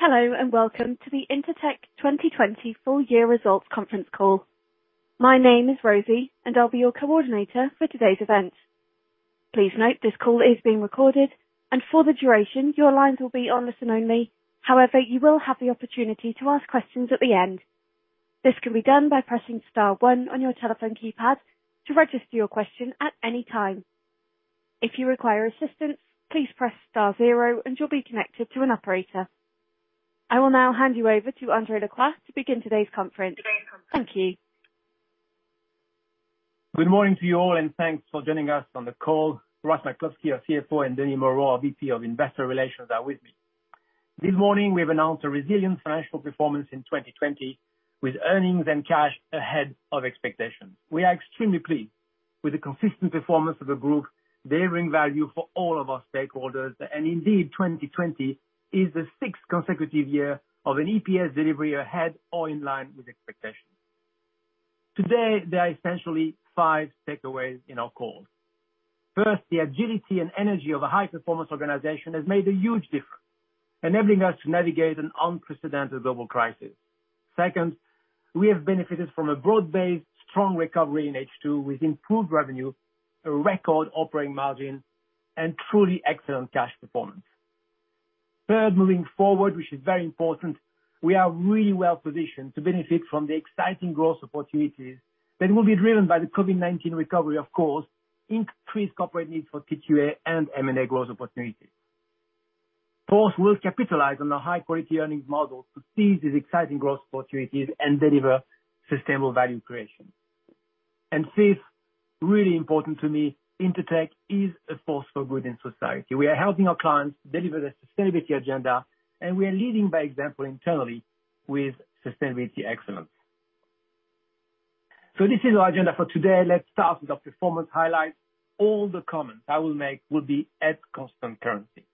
Hello, and welcome to the Intertek 2020 full year results conference call. My name is Rosie, and I'll be your coordinator for today's event. Please note this call is being recorded, and for the duration, your lines will be on listen only. However, you will have the opportunity to ask questions at the end. This can be done by pressing star one on your telephone keypad to register your question at any time. If you require assistance, please press star zero and you'll be connected to an operator. I will now hand you over to André Lacroix to begin today's conference. Thank you. Good morning to you all, and thanks for joining us on the call. Ross McCluskey, our CFO, and Denis Moreau, our VP of investor relations, are with me. This morning, we have announced a resilient financial performance in 2020, with earnings and cash ahead of expectations. We are extremely pleased with the consistent performance of the group, delivering value for all of our stakeholders. Indeed, 2020 is the sixth consecutive year of an EPS delivery ahead or in line with expectations. Today, there are essentially five takeaways in our call. First, the agility and energy of a high-performance organization has made a huge difference, enabling us to navigate an unprecedented global crisis. Second, we have benefited from a broad-based strong recovery in H2, with improved revenue, a record operating margin, and truly excellent cash performance. Third, moving forward, which is very important, we are really well-positioned to benefit from the exciting growth opportunities that will be driven by the COVID-19 recovery, of course, increased corporate needs for TQA, and M&A growth opportunities. Fourth, we'll capitalize on the high-quality earnings model to seize these exciting growth opportunities and deliver sustainable value creation. Fifth, really important to me, Intertek is a force for good in society. We are helping our clients deliver their sustainability agenda, and we are leading by example internally with sustainability excellence. This is our agenda for today. Let's start with our performance highlights. All the comments I will make will be at constant currency.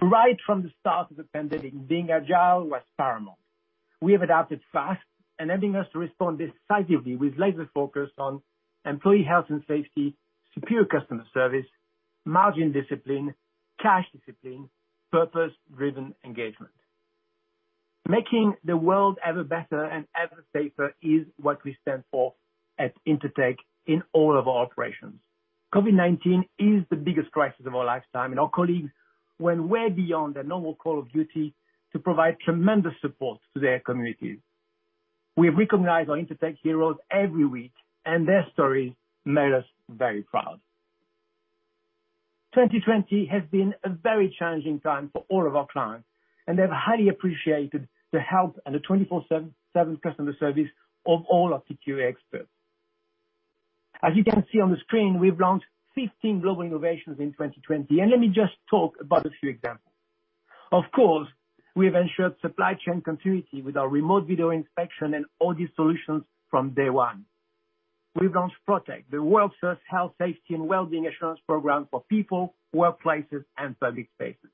Right from the start of the pandemic, being agile was paramount. We have adapted fast, enabling us to respond decisively with laser focus on employee health and safety, superior customer service, margin discipline, cash discipline, purpose-driven engagement. Making the world ever better and ever safer is what we stand for at Intertek in all of our operations. COVID-19 is the biggest crisis of our lifetime, and our colleagues went way beyond their normal call of duty to provide tremendous support to their communities. We recognize our Intertek heroes every week, and their stories made us very proud. 2020 has been a very challenging time for all of our clients, and they've highly appreciated the help and the 24/7 customer service of all our TQA experts. As you can see on the screen, we've launched 15 global innovations in 2020, and let me just talk about a few examples. Of course, we have ensured supply chain continuity with our Remote Video Inspection and Audit Solutions from day one. We've launched Protek, the world's first health, safety, and wellbeing assurance program for people, workplaces, and public spaces.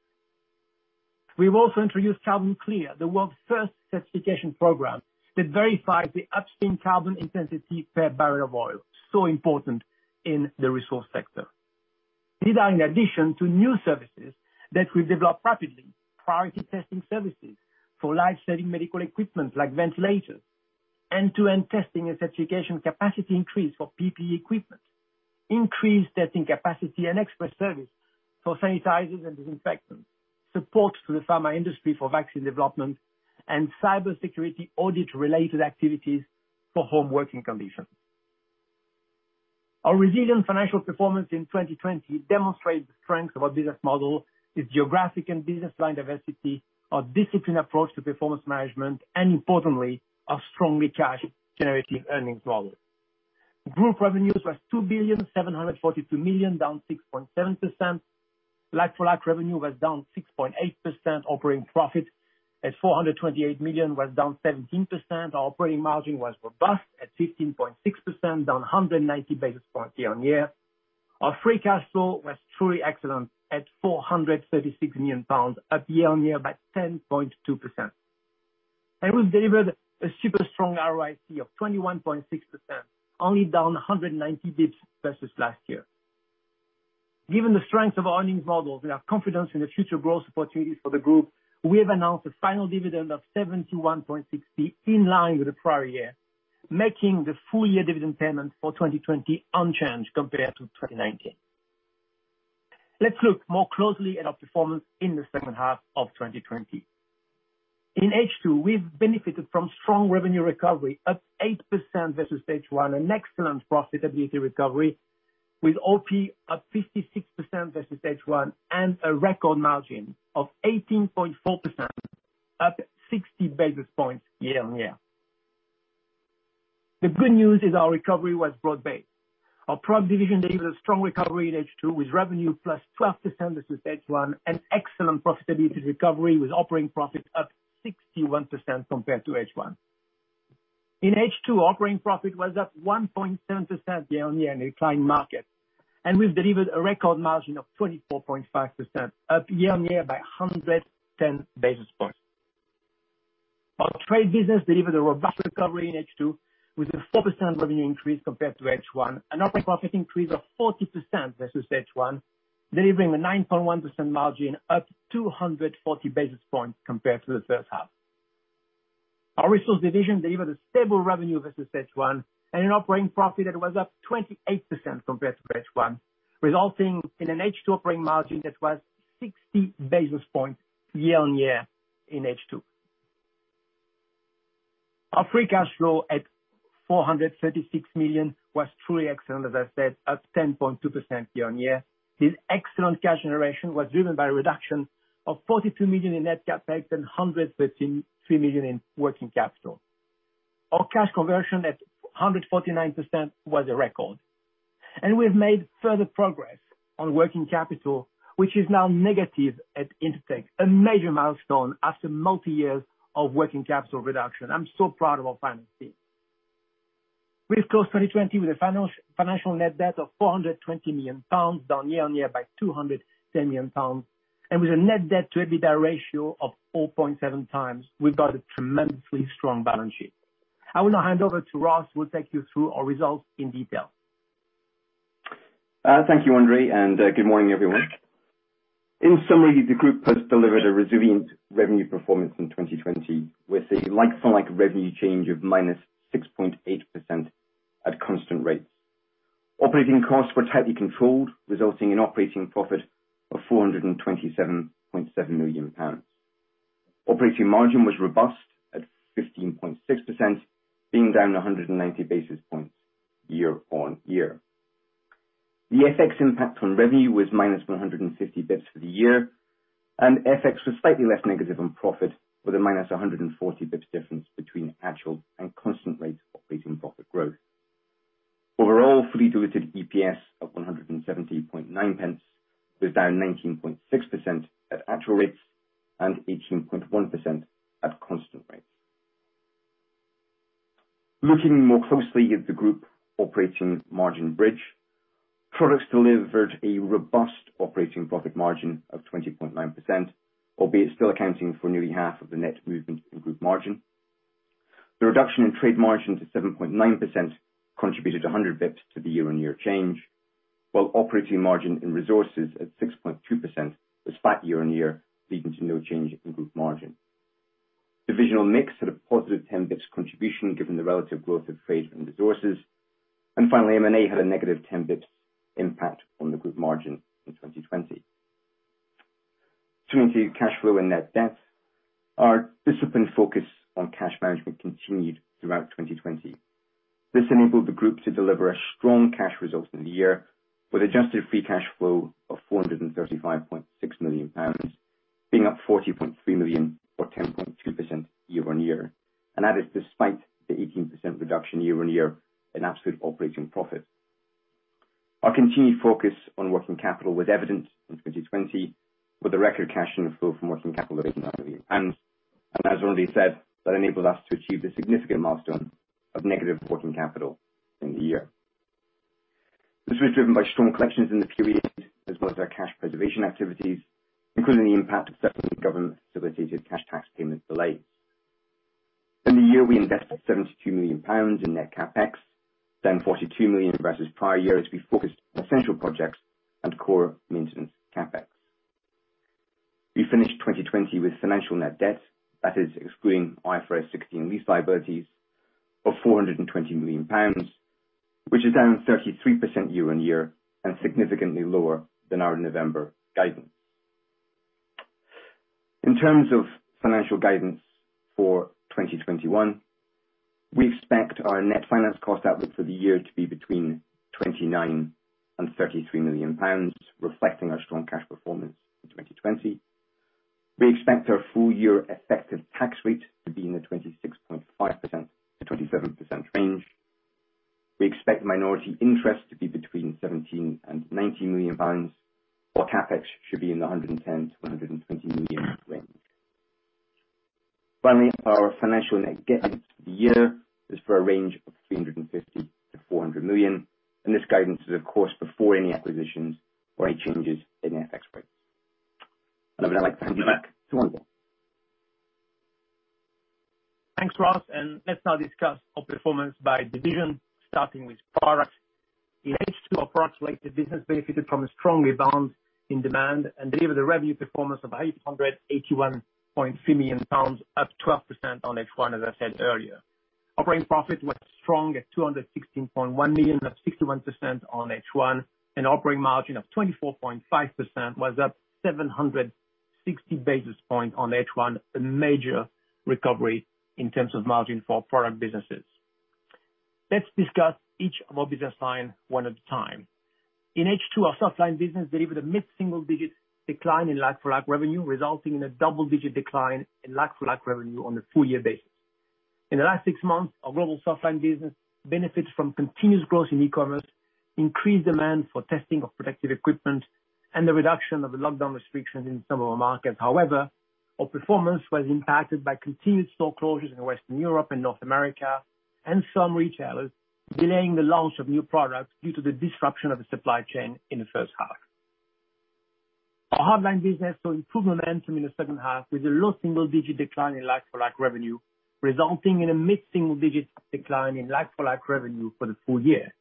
We've also introduced CarbonClear, the world's first certification program that verifies the upstream carbon intensity per barrel of oil, so important in the resource sector. These are in addition to new services that we've developed rapidly. Priority testing services for life-saving medical equipment like ventilators, end-to-end testing and certification capacity increase for PPE equipment, increased testing capacity and express service for sanitizers and disinfectants, support to the pharma industry for vaccine development, and cybersecurity audit-related activities for home working conditions. Our resilient financial performance in 2020 demonstrates the strength of our business model, its geographic and business line diversity, our disciplined approach to performance management, and importantly, our strongly cash-generating earnings model. Group revenues was 2.742 billion, down 6.7%. Like-for-like revenue was down 6.8%. Operating profit at 428 million was down 17%. Our operating margin was robust at 15.6%, down 190 basis points year-on-year. Our free cash flow was truly excellent at 436 million pounds, up year-on-year by 10.2%. We've delivered a super strong ROIC of 21.6%, only down 190 basis points versus last year. Given the strength of our earnings model and our confidence in the future growth opportunities for the group, we have announced a final dividend of 0.716, in line with the prior year, making the full year dividend payment for 2020 unchanged compared to 2019. Let's look more closely at our performance in the second half of 2020. In H2, we've benefited from strong revenue recovery, up 8% versus H1, an excellent profitability recovery with OP up 56% versus H1, and a record margin of 18.4%, up 60 basis points year-on-year. The good news is our recovery was broad-based. Our Products division delivered a strong recovery in H2, with revenue +12% versus H1, and excellent profitability recovery, with operating profit up 61% compared to H1. In H2, operating profit was up 1.7% year-on-year in a declining market. We've delivered a record margin of 24.5%, up year-on-year by 110 basis points. Our trade business delivered a robust recovery in H2 with a 4% revenue increase compared to H1. Operating profit increase of 40% versus H1, delivering a 9.1% margin, up 240 basis points compared to the first half. Our resource division delivered a stable revenue versus H1. An operating profit that was up 28% compared to H1, resulting in an H2 operating margin that was 60 basis points year-on-year in H2. Our free cash flow at 436 million was truly excellent, as I said, up 10.2% year-on-year. This excellent cash generation was driven by a reduction of 42 million in net CapEx and 103 million in working capital. Our cash conversion at 149% was a record. We have made further progress on working capital, which is now negative at Intertek, a major milestone after multi-years of working capital reduction. I'm so proud of our finance team. We closed 2020 with a financial net debt of 420 million pounds, down year-on-year by 210 million pounds, and with a net debt to EBITDA ratio of 0.7x, we've got a tremendously strong balance sheet. I will now hand over to Ross, who will take you through our results in detail. Thank you, André, and good morning, everyone. In summary, the group has delivered a resilient revenue performance in 2020, with a like-for-like revenue change of -6.8% at constant rates. Operating costs were tightly controlled, resulting in operating profit of 427.7 million pounds. Operating margin was robust at 15.6%, being down 190 basis points year-on-year. The FX impact on revenue was -150 basis points for the year, and FX was slightly less negative on profit, with a -140 basis points difference between actual and constant rates of operating profit growth. Overall, fully diluted EPS of 1.709 was down 19.6% at actual rates and 18.1% at constant rates. Looking more closely at the group operating margin bridge, products delivered a robust operating profit margin of 20.9%, albeit still accounting for nearly half of the net movement in group margin. The reduction in trade margin to 7.9% contributed 100 basis points to the year-on-year change, while operating margin in resources at 6.2% was flat year-on-year, leading to no change in group margin. Divisional mix had a positive 10 basis points contribution, given the relative growth of trade and resources. Finally, M&A had a -10 basis points impact on the group margin in 2020. Turning to cash flow and net debt, our disciplined focus on cash management continued throughout 2020. This enabled the group to deliver a strong cash result in the year, with adjusted free cash flow of 435.6 million pounds, being up 40.3 million or 10.2% year-on-year. That is despite the 18% reduction year-on-year in absolute operating profit. Our continued focus on working capital was evident in 2020 with a record cash flow from working capital activity. As André said, that enabled us to achieve the significant milestone of negative working capital in the year. This was driven by strong collections in the period, as well as our cash preservation activities, including the impact of certain government facilitated cash tax payment delays. In the year, we invested 72 million pounds in net CapEx, down 42 million versus prior year as we focused on central projects and core maintenance CapEx. We finished 2020 with financial net debt, that is excluding IFRS 16 lease liabilities, of 420 million pounds, which is down 33% year-on-year and significantly lower than our November guidance. In terms of financial guidance for 2021, we expect our net finance cost outlook for the year to be between 29 million and 33 million pounds, reflecting our strong cash performance in 2020. We expect our full year effective tax rate to be in the 26.5%-27% range. We expect minority interest to be between 17 million pounds and 19 million pounds, while CapEx should be in the 110 million-120 million range. Our financial net debt for the year is for a range of 350 million-400 million. This guidance is of course before any acquisitions or any changes in FX rates. I would now like to hand you back to André. Thanks, Ross, let's now discuss our performance by division, starting with products. In H2, our products-related business benefited from a strong rebound in demand, delivered a revenue performance of 881.3 million pounds, up 12% on H1, as I said earlier. Operating profit was strong at 216.1 million, up 61% on H1. Operating margin of 24.5% was up 760 basis points on H1, a major recovery in terms of margin for product businesses. Let's discuss each of our business lines one at a time. In H2, our Softlines business delivered a mid-single digit decline in like-for-like revenue, resulting in a double-digit decline in like-for-like revenue on a full year basis. In the last six months, our global Softlines business benefits from continuous growth in e-commerce, increased demand for testing of protective equipment, the reduction of the lockdown restrictions in some of our markets. Our performance was impacted by continued store closures in Western Europe and North America, and some retailers delaying the launch of new products due to the disruption of the supply chain in the first half. Our Hardlines business saw improved momentum in the second half with a low single digit decline in like-for-like revenue, resulting in a mid-single digit decline in like-for-like revenue for the full year.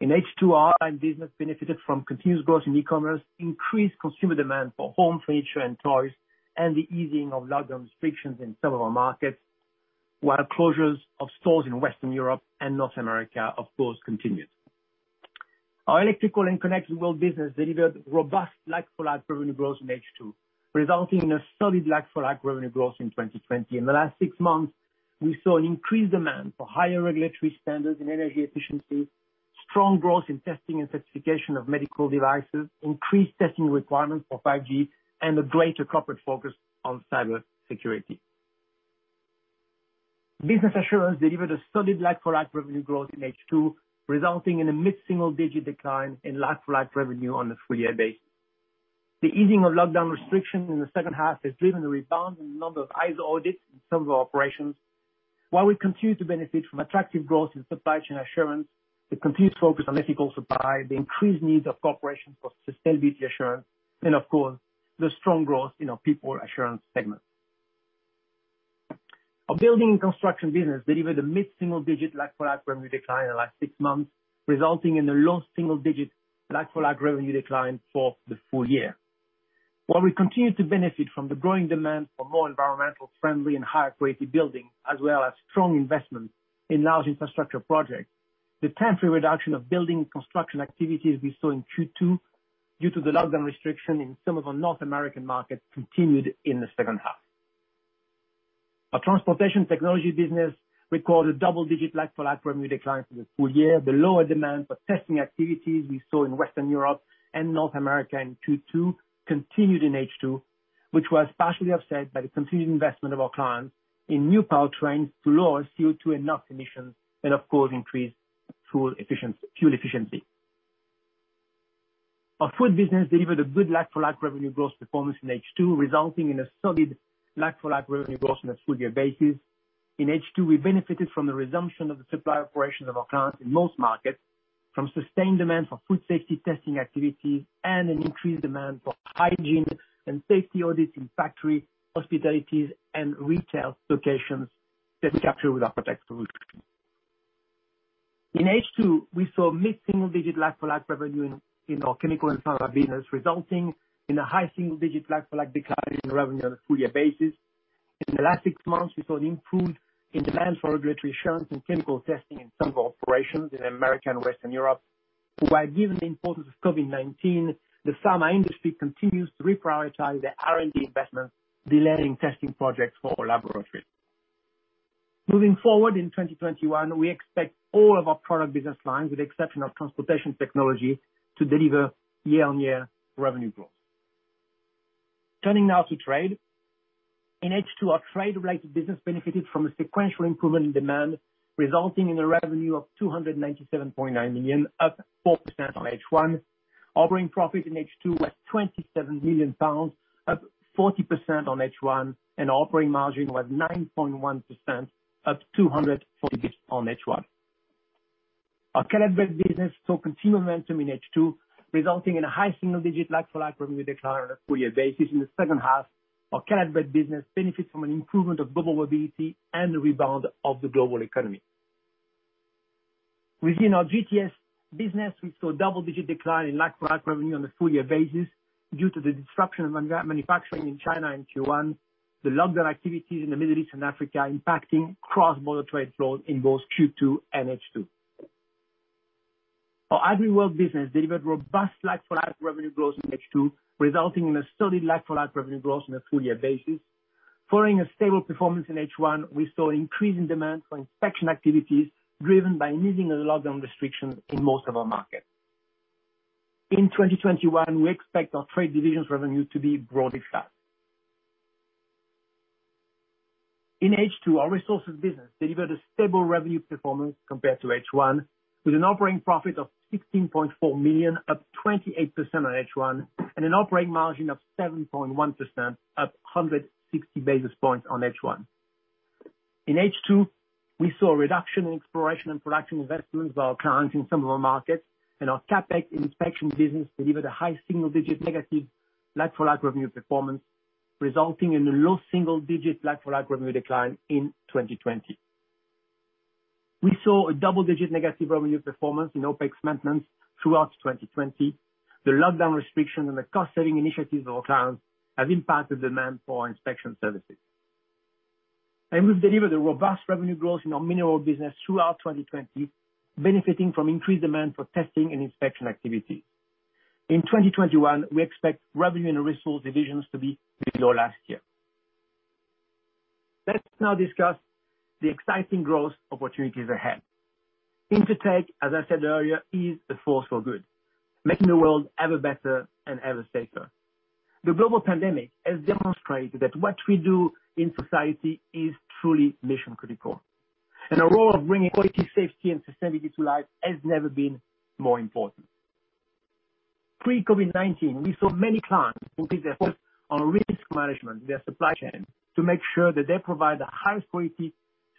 In H2, our Hardlines business benefited from continuous growth in e-commerce, increased consumer demand for home furniture and toys, and the easing of lockdown restrictions in several markets, while closures of stores in Western Europe and North America, of course, continued. Our Electrical & Connected World business delivered robust like-for-like revenue growth in H2, resulting in a solid like-for-like revenue growth in 2020. In the last six months, we saw an increased demand for higher regulatory standards in energy efficiency, strong growth in testing and certification of medical devices, increased testing requirements for 5G, and a greater corporate focus on cybersecurity. Business Assurance delivered a solid like-for-like revenue growth in H2, resulting in a mid-single digit decline in like-for-like revenue on a full year basis. The easing of lockdown restrictions in the second half has driven a rebound in the number of ISO audits in some of our operations. While we continue to benefit from attractive growth in supply chain assurance, the continued focus on ethical supply, the increased needs of corporations for sustainability assurance, and of course, the strong growth in our people assurance segment. Our Building & Construction business delivered a mid-single digit like-for-like revenue decline in the last six months, resulting in a low single digit like-for-like revenue decline for the full year. While we continue to benefit from the growing demand for more environmentally friendly and higher quality building, as well as strong investment in large infrastructure projects, the temporary reduction of building construction activities we saw in Q2 due to the lockdown restriction in some of our North American markets continued in the second half. Our Transportation Technologies business recorded double digit like-for-like revenue decline for the full year. The lower demand for testing activities we saw in Western Europe and North America in Q2 continued in H2, which was partially offset by the continued investment of our clients in new power trains to lower CO2 and NOx emissions, and of course, increase fuel efficiency. Our Food business delivered a good like-for-like revenue growth performance in H2, resulting in a solid like-for-like revenue growth on a full year basis. In H2, we benefited from the resumption of the supply operations of our clients in most markets, from sustained demand for food safety testing activities, and an increased demand for hygiene and safety audits in factory, hospitality, and retail locations that we capture with our Protek solution. In H2, we saw mid-single digit like-for-like revenue in our Chemicals & Pharma business, resulting in a high single digit like-for-like decline in revenue on a full year basis. In the last six months, we saw an improved in demand for regulatory assurance and chemical testing in some of our operations in America and Western Europe, who, while given the importance of COVID-19, the pharma industry continues to reprioritize their R&D investments, delaying testing projects for our laboratories. Moving forward in 2021, we expect all of our product business lines, with the exception of Transportation Technologies, to deliver year-on-year revenue growth. Turning now to Trade. In H2, our trade-related business benefited from a sequential improvement in demand, resulting in a revenue of 297.9 million, up 4% on H1. Operating profit in H2 was 27 million pounds, up 40% on H1, and operating margin was 9.1%, up 240 basis points from H1. Our Caleb Brett business saw continued momentum in H2, resulting in a high single digit like-for-like revenue decline on a full year basis in the second half. Our Caleb Brett business benefits from an improvement of global mobility and the rebound of the global economy. Within our GTS business, we saw double-digit decline in like-for-like revenue on a full year basis due to the disruption of manufacturing in China in Q1, the lockdown activities in the Middle East and Africa impacting cross-border trade flows in both Q2 and H2. Our AgriWorld business delivered robust like-for-like revenue growth in H2, resulting in a solid like-for-like revenue growth on a full year basis. Following a stable performance in H1, we saw increasing demand for inspection activities driven by easing of the lockdown restrictions in most of our markets. In 2021, we expect our Trade division's revenue to be broadly flat. In H2, our Resources business delivered a stable revenue performance compared to H1, with an operating profit of 16.4 million, up 28% on H1, and an operating margin of 7.1%, up 160 basis points on H1. In H2, we saw a reduction in Exploration and Production investments of our clients in some of our markets, and our CapEx inspection business delivered a high single digit negative like-for-like revenue performance, resulting in a low single digit like-for-like revenue decline in 2020. We saw a double-digit negative revenue performance in OpEx maintenance throughout 2020. The lockdown restriction and the cost-saving initiatives of our clients have impacted demand for our inspection services. We've delivered a robust revenue growth in our Mineral business throughout 2020, benefiting from increased demand for testing and inspection activity. In 2021, we expect revenue in Resource divisions to be below last year. Let's now discuss the exciting growth opportunities ahead. Intertek, as I said earlier, is a force for good, making the world ever better and ever safer. The global pandemic has demonstrated that what we do in society is truly mission-critical, and our role of bringing quality, safety, and sustainability to life has never been more important. Pre-COVID-19, we saw many clients who put their focus on risk management in their supply chain to make sure that they provide the highest quality,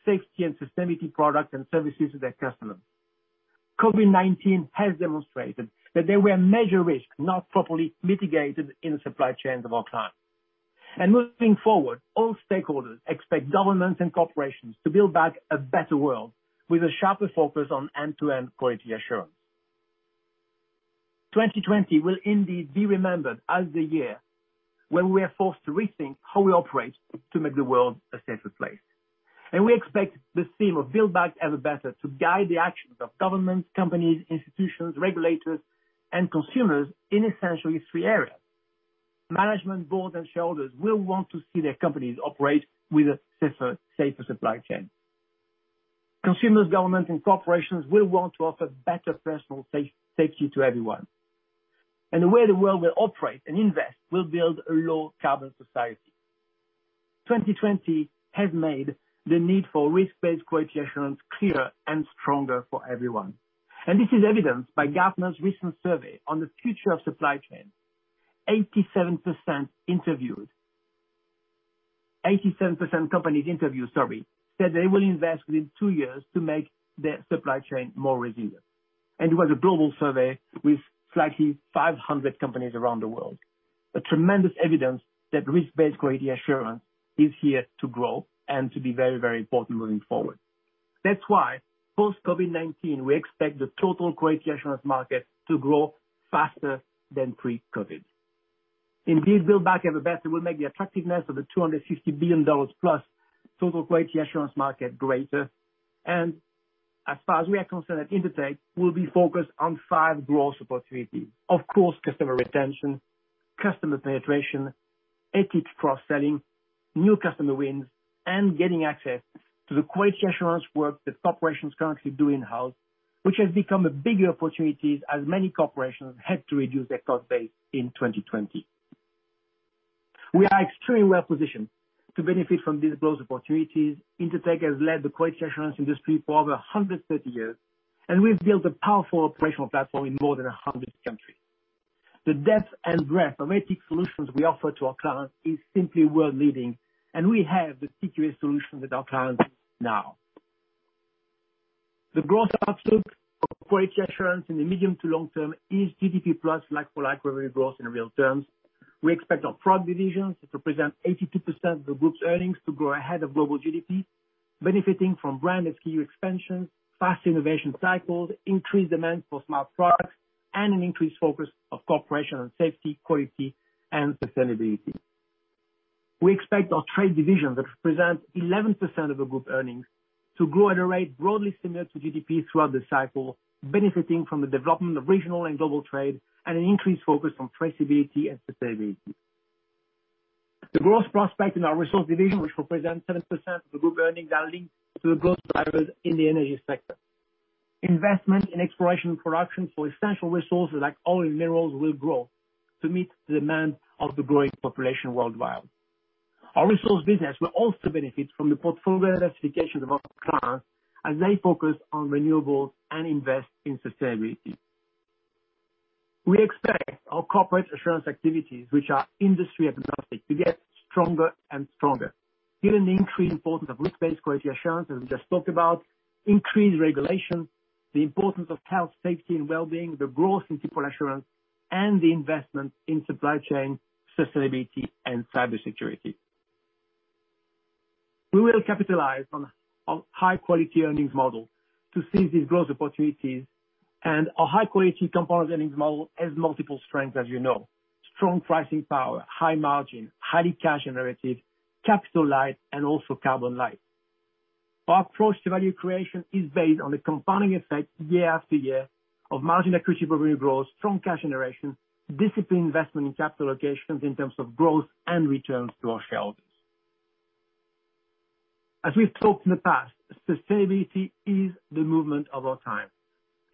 safety, and sustainability products and services to their customers. COVID-19 has demonstrated that there were major risks not properly mitigated in the supply chains of our clients. Moving forward, all stakeholders expect governments and corporations to build back a better world with a sharper focus on end-to-end quality assurance. 2020 will indeed be remembered as the year when we were forced to rethink how we operate to make the world a safer place. We expect this theme of Build Back Ever Better to guide the actions of governments, companies, institutions, regulators, and consumers in essentially three areas. Management boards and shareholders will want to see their companies operate with a safer supply chain. Consumers, governments, and corporations will want to offer better personal safety to everyone. The way the world will operate and invest will build a low carbon society. 2020 has made the need for risk-based quality assurance clearer and stronger for everyone. This is evidenced by Gartner's recent survey on the future of supply chain. 87% companies interviewed, said they will invest within two years to make their supply chain more resilient. It was a global survey with 500 companies around the world. A tremendous evidence that risk-based quality assurance is here to grow and to be very important moving forward. That's why post COVID-19, we expect the Total Quality Assurance market to grow faster than pre-COVID. Indeed, Build Back Ever Better will make the attractiveness of the GBP 250 billion plus Total Quality Assurance market greater. As far as we are concerned at Intertek, we'll be focused on five growth opportunities. Of course, customer retention, customer penetration, ATIC cross-selling, new customer wins, and getting access to the quality assurance work that corporations currently do in-house, which has become a bigger opportunity as many corporations had to reduce their cost base in 2020. We are extremely well-positioned to benefit from these growth opportunities. Intertek has led the Quality Assurance industry for over 130 years. We've built a powerful operational platform in more than 100 countries. The depth and breadth of ATIC solutions we offer to our clients is simply world-leading. We have the secure solution with our clients now. The growth outlook for Quality Assurance in the medium to long term is GDP+ like-for-like revenue growth in real terms. We expect our Products divisions to represent 82% of the group's earnings to grow ahead of global GDP, benefiting from brand SKU expansion, fast innovation cycles, increased demand for smart products, and an increased focus of corporation on safety, quality, and sustainability. We expect our Trade division, that represents 11% of the group earnings, to grow at a rate broadly similar to GDP throughout this cycle, benefiting from the development of regional and global trade and an increased focus on traceability and sustainability. The growth prospect in our Resource division, which represents 7% of the group earnings, are linked to the growth drivers in the energy sector. Investment in Exploration and Production for essential resources like oil and minerals will grow to meet the demand of the growing population worldwide. Our Resource business will also benefit from the portfolio diversification of our clients as they focus on renewables and invest in sustainability. We expect our Corporate Assurance activities, which are industry agnostic, to get stronger and stronger given the increased importance of risk-based quality assurance, as we just talked about, increased regulation, the importance of health, safety, and well-being, the growth in people assurance, and the investment in supply chain sustainability and cybersecurity. We will capitalize on our high-quality earnings model to seize these growth opportunities, and our high-quality compound earnings model has multiple strengths, as you know. Strong pricing power, high margin, highly cash generative, capital light, and also carbon light. Our approach to value creation is based on the compounding effect year after year of margin accretive revenue growth, strong cash generation, disciplined investment in capital allocations in terms of growth and returns to our shareholders. As we've talked in the past, sustainability is the movement of our time,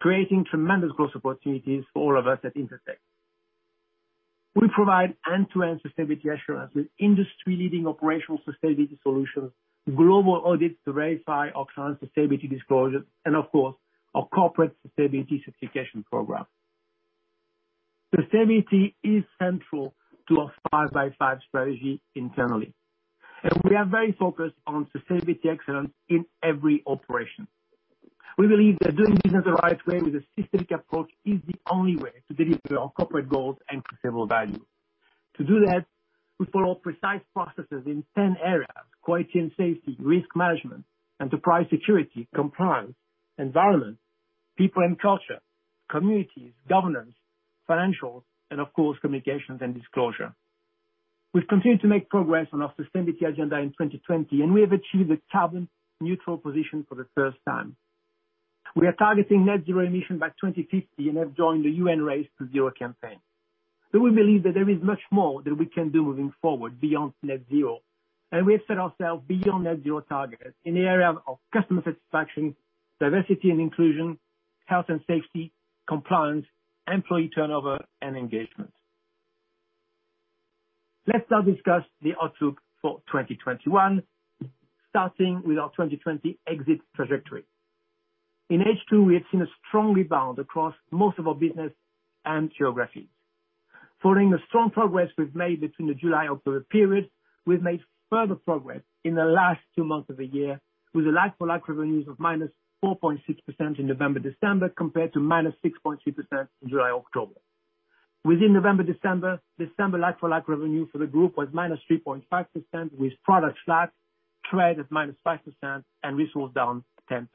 creating tremendous growth opportunities for all of us at Intertek. We provide end-to-end sustainability assurance with industry-leading operational sustainability solutions, global audits to ratify our clients' sustainability disclosures, and of course, our Corporate Sustainability certification programme. Sustainability is central to our 5x5 strategy internally, and we are very focused on sustainability excellence in every operation. We believe that doing business the right way with a systemic approach is the only way to deliver our corporate goals and sustainable value. To do that, we follow precise processes in 10 areas. Quality and safety, risk management, enterprise security, compliance, environment, people and culture, communities, governance, financial, and of course, communications and disclosure. We've continued to make progress on our sustainability agenda in 2020, and we have achieved a carbon neutral position for the first time. We are targeting net zero emission by 2050 and have joined the UN Race to Zero campaign. Though we believe that there is much more that we can do moving forward beyond net zero, and we have set ourselves beyond net zero targets in the area of customer satisfaction, diversity and inclusion, health and safety, compliance, employee turnover, and engagement. Let's now discuss the outlook for 2021, starting with our 2020 exit trajectory. In H2, we have seen a strongly bound across most of our business and geographies. Following the strong progress we've made between the July-October period, we've made further progress in the last two months of the year with like-for-like revenues of -4.6% in November, December, compared to -6.3% in July, October. Within November, December, like-for-like revenue for the group was -3.5%, with product flat, trade at -5%, and resource down 10%.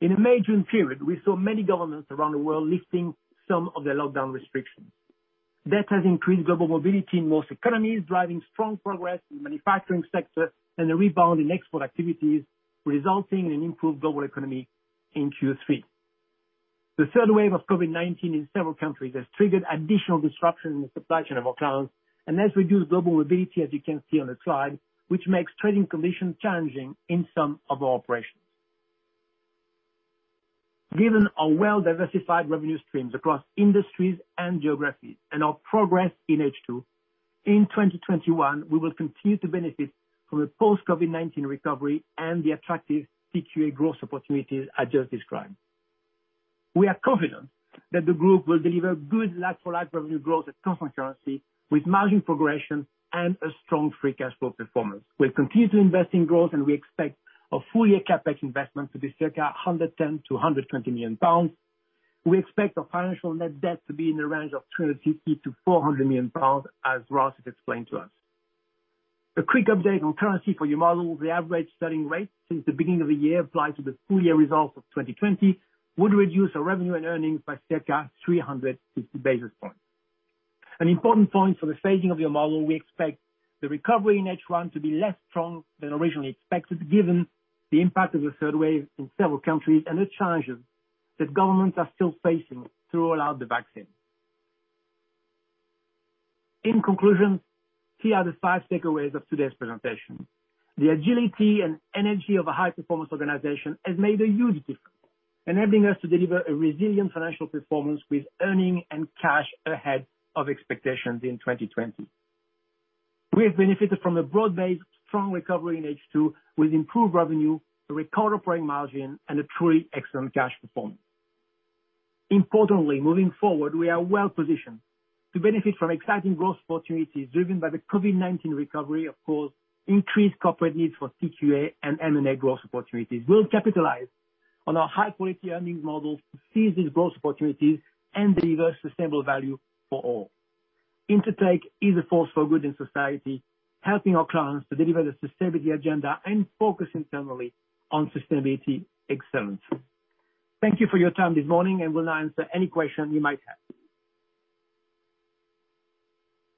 In the May-June period, we saw many governments around the world lifting some of their lockdown restrictions. That has increased global mobility in most economies, driving strong progress in the manufacturing sector and a rebound in export activities, resulting in an improved global economy in Q3. The third wave of COVID-19 in several countries has triggered additional disruption in the supply chain of our clients and has reduced global mobility, as you can see on the slide, which makes trading conditions challenging in some of our operations. Given our well-diversified revenue streams across industries and geographies, and our progress in H2, in 2021, we will continue to benefit from a post-COVID-19 recovery and the attractive TQA growth opportunities I just described. We are confident that the group will deliver good like-for-like revenue growth at constant currency, with margin progression and a strong free cash flow performance. We'll continue to invest in growth, and we expect our full-year CapEx investment to be circa 110 million-120 million pounds. We expect our financial net debt to be in the range of 350 million-400 million pounds, as Ross has explained to us. A quick update on currency for your model. The average sterling rate since the beginning of the year applied to the full-year results of 2020 would reduce our revenue and earnings by circa 350 basis points. An important point for the staging of your model, we expect the recovery in H1 to be less strong than originally expected, given the impact of the third wave in several countries and the challenges that governments are still facing to roll out the vaccine. In conclusion, here are the five takeaways of today's presentation. The agility and energy of a high-performance organization has made a huge difference, enabling us to deliver a resilient financial performance with earnings and cash ahead of expectations in 2020. We have benefited from a broad-based strong recovery in H2 with improved revenue, a record operating margin, and a truly excellent cash performance. Importantly, moving forward, we are well-positioned to benefit from exciting growth opportunities driven by the COVID-19 recovery, of course, increased corporate needs for TQA, and M&A growth opportunities. We'll capitalize on our high-quality earnings model to seize these growth opportunities and deliver sustainable value for all. Intertek is a force for good in society, helping our clients to deliver the sustainability agenda and focus internally on sustainability excellence. Thank you for your time this morning, and we'll answer any question you might have.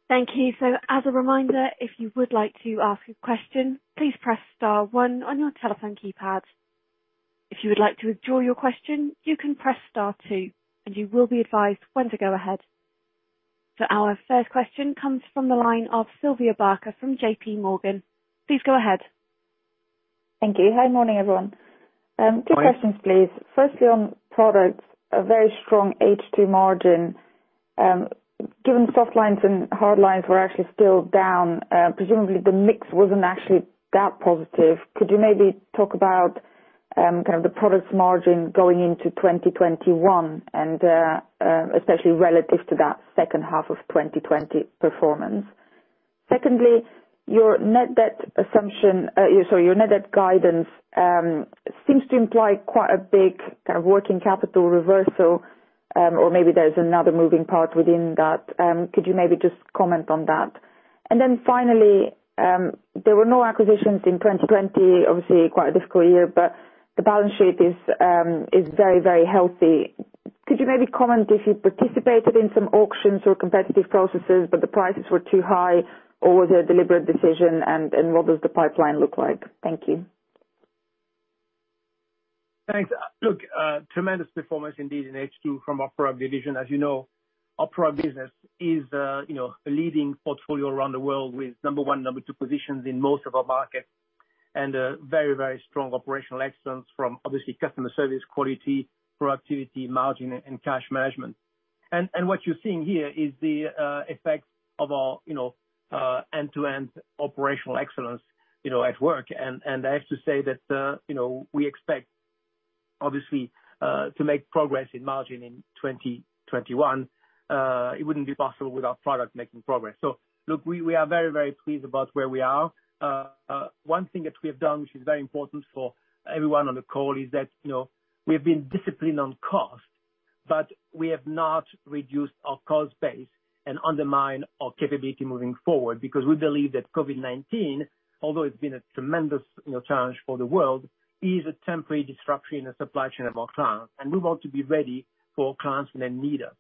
Thank you. As a reminder, if you would like to ask a question, please press star one on your telephone keypad. If you would like to withdraw your question, you can press star two, and you will be advised when to go ahead. Our first question comes from the line of Sylvia Barker from JPMorgan. Please go ahead. Thank you. Hi, morning, everyone. Hi. Two questions, please. Firstly, on products, a very strong H2 margin. Given Softlines and Hardlines were actually still down, presumably the mix wasn't actually that positive. Could you maybe talk about kind of the Products margin going into 2021 and especially relative to that second half of 2020 performance? Your net debt guidance seems to imply quite a big working capital reversal, or maybe there's another moving part within that. Could you maybe just comment on that? Finally, there were no acquisitions in 2020, obviously quite a difficult year, but the balance sheet is very healthy. Could you maybe comment if you participated in some auctions or competitive processes, but the prices were too high, or was it a deliberate decision, and what does the pipeline look like? Thank you. Thanks. Look, tremendous performance indeed in H2 from our Product division. As you know, our Product business is a leading portfolio around the world with number one, number two positions in most of our markets, and a very strong operational excellence from obviously customer service, quality, productivity, margin, and cash management. What you're seeing here is the effects of our end-to-end operational excellence at work. I have to say that we expect, obviously, to make progress in margin in 2021. It wouldn't be possible without product making progress. Look, we are very pleased about where we are. One thing that we have done, which is very important for everyone on the call, is that we've been disciplined on cost, but we have not reduced our cost base and undermined our capability moving forward, because we believe that COVID-19, although it's been a tremendous challenge for the world, is a temporary disruption in the supply chain of our clients, and we want to be ready for our clients when they need us.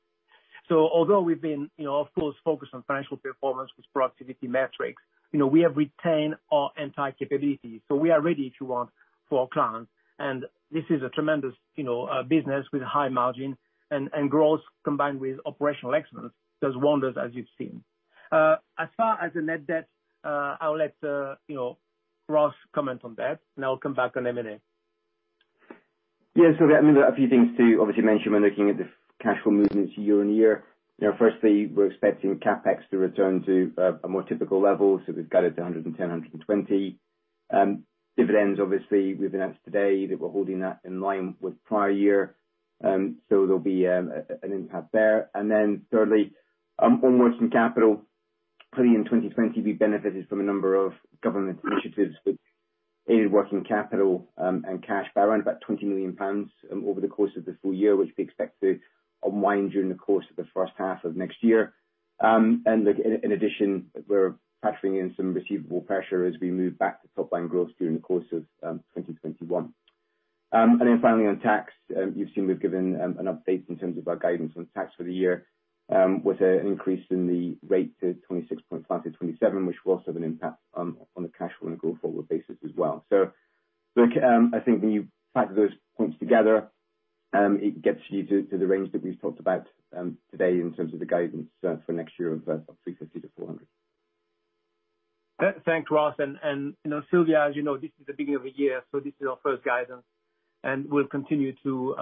Although we've been, of course, focused on financial performance with productivity metrics, we have retained our entire capabilities. We are ready, if you want, for our clients. This is a tremendous business with high margin and growth combined with operational excellence, does wonders as you've seen. As far as the net debt, I'll let Ross comment on that, and I'll come back on M&A. Look, a few things to obviously mention when looking at the cash flow movements year on year. Firstly, we're expecting CapEx to return to a more typical level, we've guided to 110 million-120 million. Dividends, obviously we've announced today that we're holding that in line with prior year. There'll be an impact there. Thirdly, on working capital, clearly in 2020 we benefited from a number of government initiatives which aided working capital and cash by around about 20 million pounds over the course of the full year, which we expect to unwind during the course of the first half of next year. In addition, we're factoring in some receivable pressure as we move back to top line growth during the course of 2021. Finally on tax, you've seen we've given an update in terms of our guidance on tax for the year, with an increase in the rate to 26.5%-27%, which will also have an impact on the cash flow on a going-forward basis as well. Look, I think when you factor those points together, it gets you to the range that we've talked about today in terms of the guidance for next year of 350 million-400 million. Thanks, Ross, Sylvia, as you know, this is the beginning of the year, so this is our first guidance, we'll continue to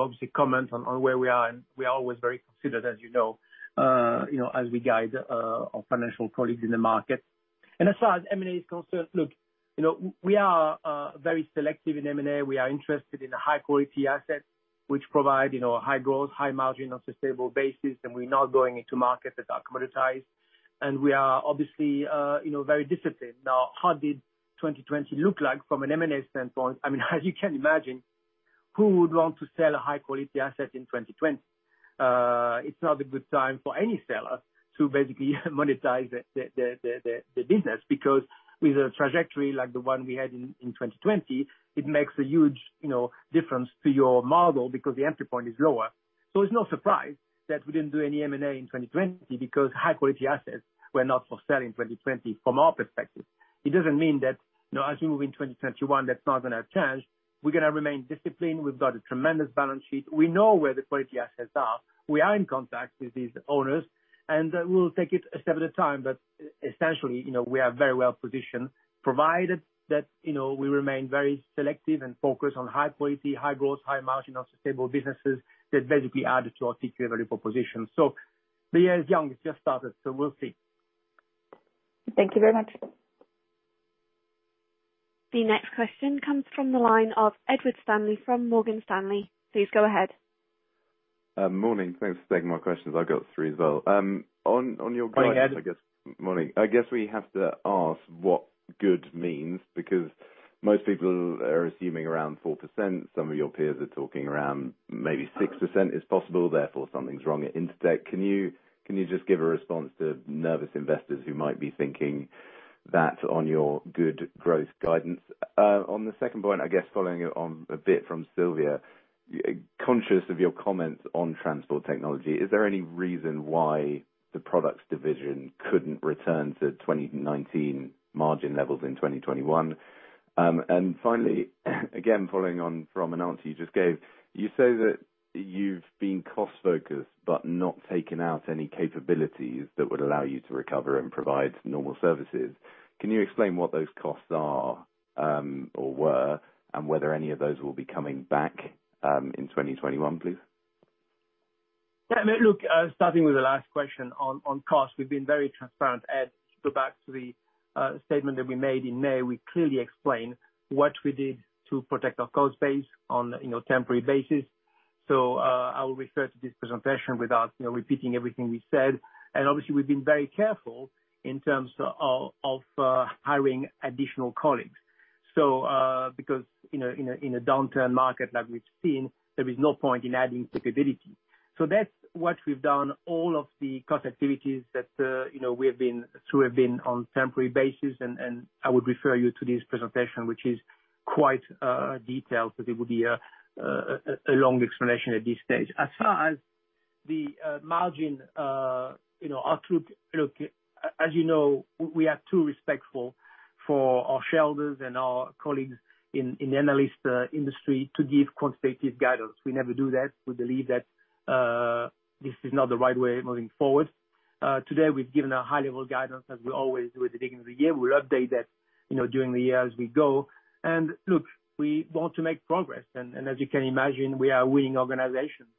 obviously comment on where we are. We are always very considered as we guide our financial colleagues in the market. As far as M&A is concerned, look, we are very selective in M&A. We are interested in high quality assets which provide high growth, high margin on a sustainable basis. We're not going into markets that are commoditized. We are obviously very disciplined. Now, how did 2020 look like from an M&A standpoint? As you can imagine, who would want to sell a high-quality asset in 2020? It's not a good time for any seller to basically monetize the business because with a trajectory like the one we had in 2020, it makes a huge difference to your model because the entry point is lower. It's no surprise that we didn't do any M&A in 2020 because high-quality assets were not for sale in 2020 from our perspective. It doesn't mean that as we move in 2021, that's not going to change. We're going to remain disciplined. We've got a tremendous balance sheet. We know where the quality assets are. We are in contact with these owners, and we'll take it a step at a time. Essentially, we are very well-positioned provided that we remain very selective and focused on high quality, high growth, high margin on sustainable businesses that basically add to our TQA proposal. The year is young. It's just started, so we'll see. Thank you very much. The next question comes from the line of Edward Stanley from Morgan Stanley. Please go ahead. Morning. Thanks for taking my questions. I've got three as well. Morning, Ed. Morning. I guess we have to ask what good means because most people are assuming around 4%. Some of your peers are talking around maybe 6% is possible. Something's wrong at Intertek. Can you just give a response to nervous investors who might be thinking that on your good growth guidance? On the second point, I guess following on a bit from Sylvia, conscious of your comments on transport technology, is there any reason why the Products division couldn't return to 2019 margin levels in 2021? Finally, again, following on from an answer you just gave, you say that you've been cost-focused but not taken out any capabilities that would allow you to recover and provide normal services. Can you explain what those costs are or were, and whether any of those will be coming back in 2021, please? Yeah, look, starting with the last question on cost, we've been very transparent, Ed. If you go back to the statement that we made in May, we clearly explained what we did to protect our cost base on a temporary basis. I will refer to this presentation without repeating everything we said. Obviously we've been very careful in terms of hiring additional colleagues. Because in a downturn market like we've seen, there is no point in adding capability. That's what we've done. All of the cost activities that we have been through have been on temporary basis, and I would refer you to this presentation, which is quite detailed because it would be a long explanation at this stage. As far as the margin, as you know, we are too respectful for our shareholders and our colleagues in the analyst industry to give quantitative guidance. We never do that. We believe that this is not the right way moving forward. Today we've given a high level guidance as we always do at the beginning of the year. We'll update that during the year as we go. Look, we want to make progress. As you can imagine, we are winning organizations.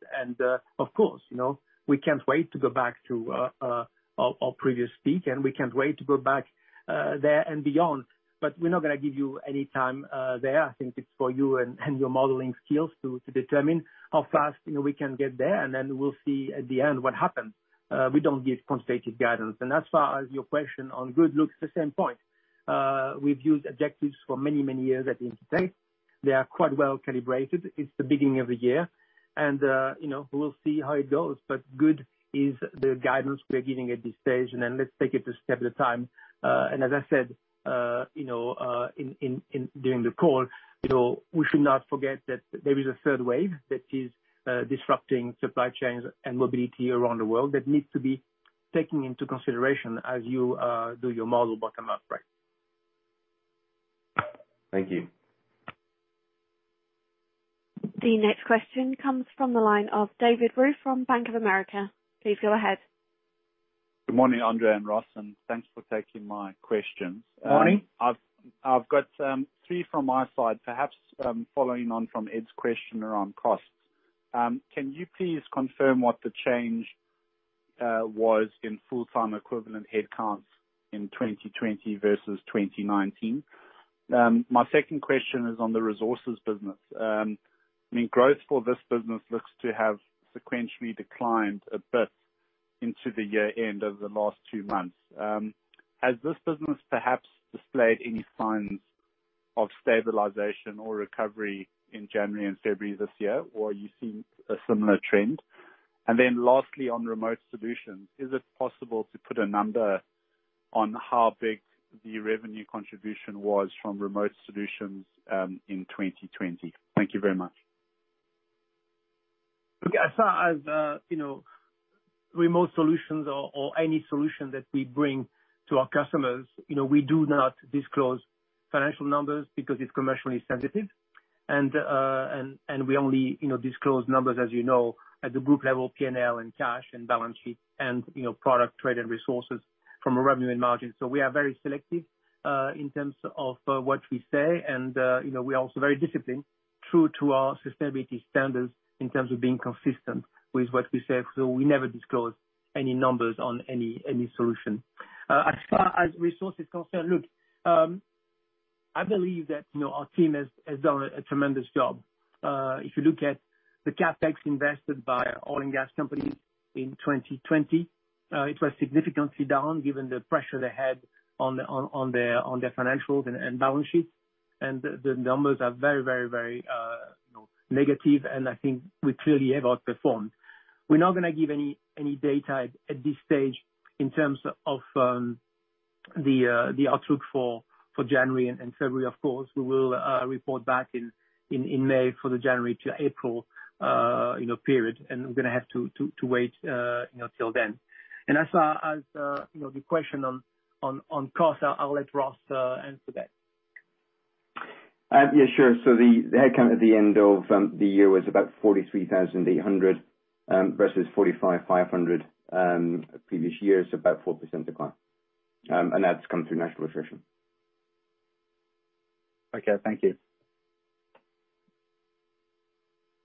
Of course, we can't wait to go back to our previous peak, and we can't wait to go back there and beyond. We're not going to give you any time there. I think it's for you and your modeling skills to determine how fast we can get there. We'll see at the end what happens. We don't give quantitative guidance. As far as your question on guidance, the same point. We've used objectives for many years at Intertek. They are quite well calibrated. It's the beginning of the year and we'll see how it goes. Good is the guidance we are giving at this stage, and then let's take it a step at a time. As I said during the call, we should not forget that there is a third wave that is disrupting supply chains and mobility around the world that needs to be taken into consideration as you do your model bottom-up, right. Thank you. The next question comes from the line of David Roux from Bank of America. Please go ahead. Good morning, André and Ross, and thanks for taking my questions. Morning. I've got three from my side, perhaps following on from Ed's question around costs. Can you please confirm what the change was in full-time equivalent headcount in 2020 versus 2019. My second question is on the Resources business. Growth for this business looks to have sequentially declined a bit into the year-end of the last two months. Has this business perhaps displayed any signs of stabilization or recovery in January and February this year, or are you seeing a similar trend? Lastly, on remote solutions, is it possible to put a number on how big the revenue contribution was from remote solutions in 2020? Thank you very much. Look, as far as remote solutions or any solution that we bring to our customers, we do not disclose financial numbers because it's commercially sensitive. We only disclose numbers, as you know, at the group level, P&L and cash and balance sheet and product trade and resources from a revenue and margin. We are very selective in terms of what we say and we are also very disciplined, true to our sustainability standards in terms of being consistent with what we say, so we never disclose any numbers on any solution. As far as resources concerned, look, I believe that our team has done a tremendous job. If you look at the CapEx invested by oil and gas companies in 2020, it was significantly down given the pressure they had on their financials and balance sheets, and the numbers are very negative, and I think we clearly have outperformed. We're not going to give any data at this stage in terms of the outlook for January and February, of course. We will report back in May for the January-April period, and we're going to have to wait till then. As far as the question on cost, I'll let Ross answer that. Yeah, sure. The headcount at the end of the year was about 43,800 versus 45,500 previous years, about 4% decline. That's come through natural attrition. Okay. Thank you.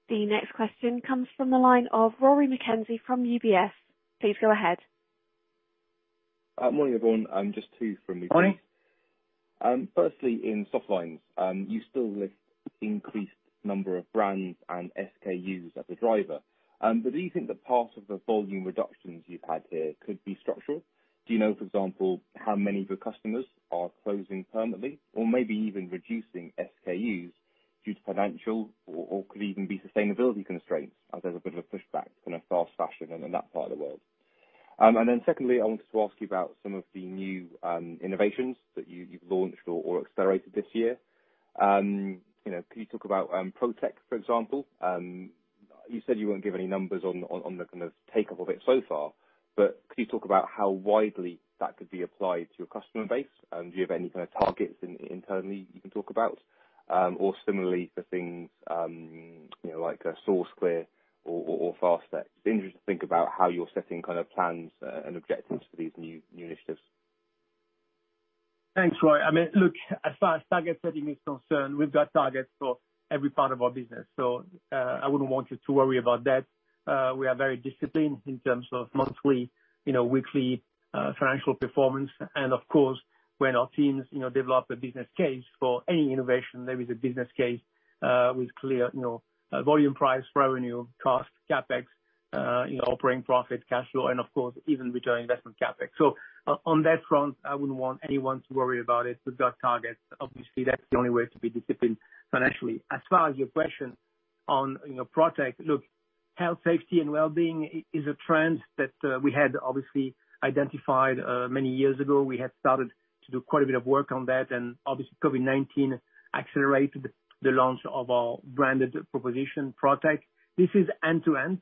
The next question comes from the line of Rory McKenzie from UBS. Please go ahead. Morning, everyone. Just two from me please. Morning. In Softlines, you still list increased number of brands and SKUs as a driver. Do you think that part of the volume reductions you've had here could be structural? Do you know, for example, how many of your customers are closing permanently or maybe even reducing SKUs due to financial or could even be sustainability constraints as there's a bit of a pushback in a fast fashion in that part of the world? Secondly, I wanted to ask you about some of the new innovations that you've launched or accelerated this year. Can you talk about Protek, for example? You said you won't give any numbers on the kind of take-up of it so far, could you talk about how widely that could be applied to your customer base, and do you have any kind of targets internally you can talk about? Similarly for things like SourceClear or FastTek. It's interesting to think about how you're setting kind of plans and objectives for these new initiatives. Thanks, Rory. Look, as far as target setting is concerned, we've got targets for every part of our business. I wouldn't want you to worry about that. We are very disciplined in terms of monthly, weekly financial performance. Of course, when our teams develop a business case for any innovation, there is a business case with clear volume, price, revenue, cost, CapEx, operating profit, cash flow, and of course, even return on investment CapEx. On that front, I wouldn't want anyone to worry about it. We've got targets. Obviously, that's the only way to be disciplined financially. As far as your question on Protek, look, health, safety, and wellbeing is a trend that we had obviously identified many years ago. We had started to do quite a bit of work on that, and obviously COVID-19 accelerated the launch of our branded proposition, Protek. This is end-to-end.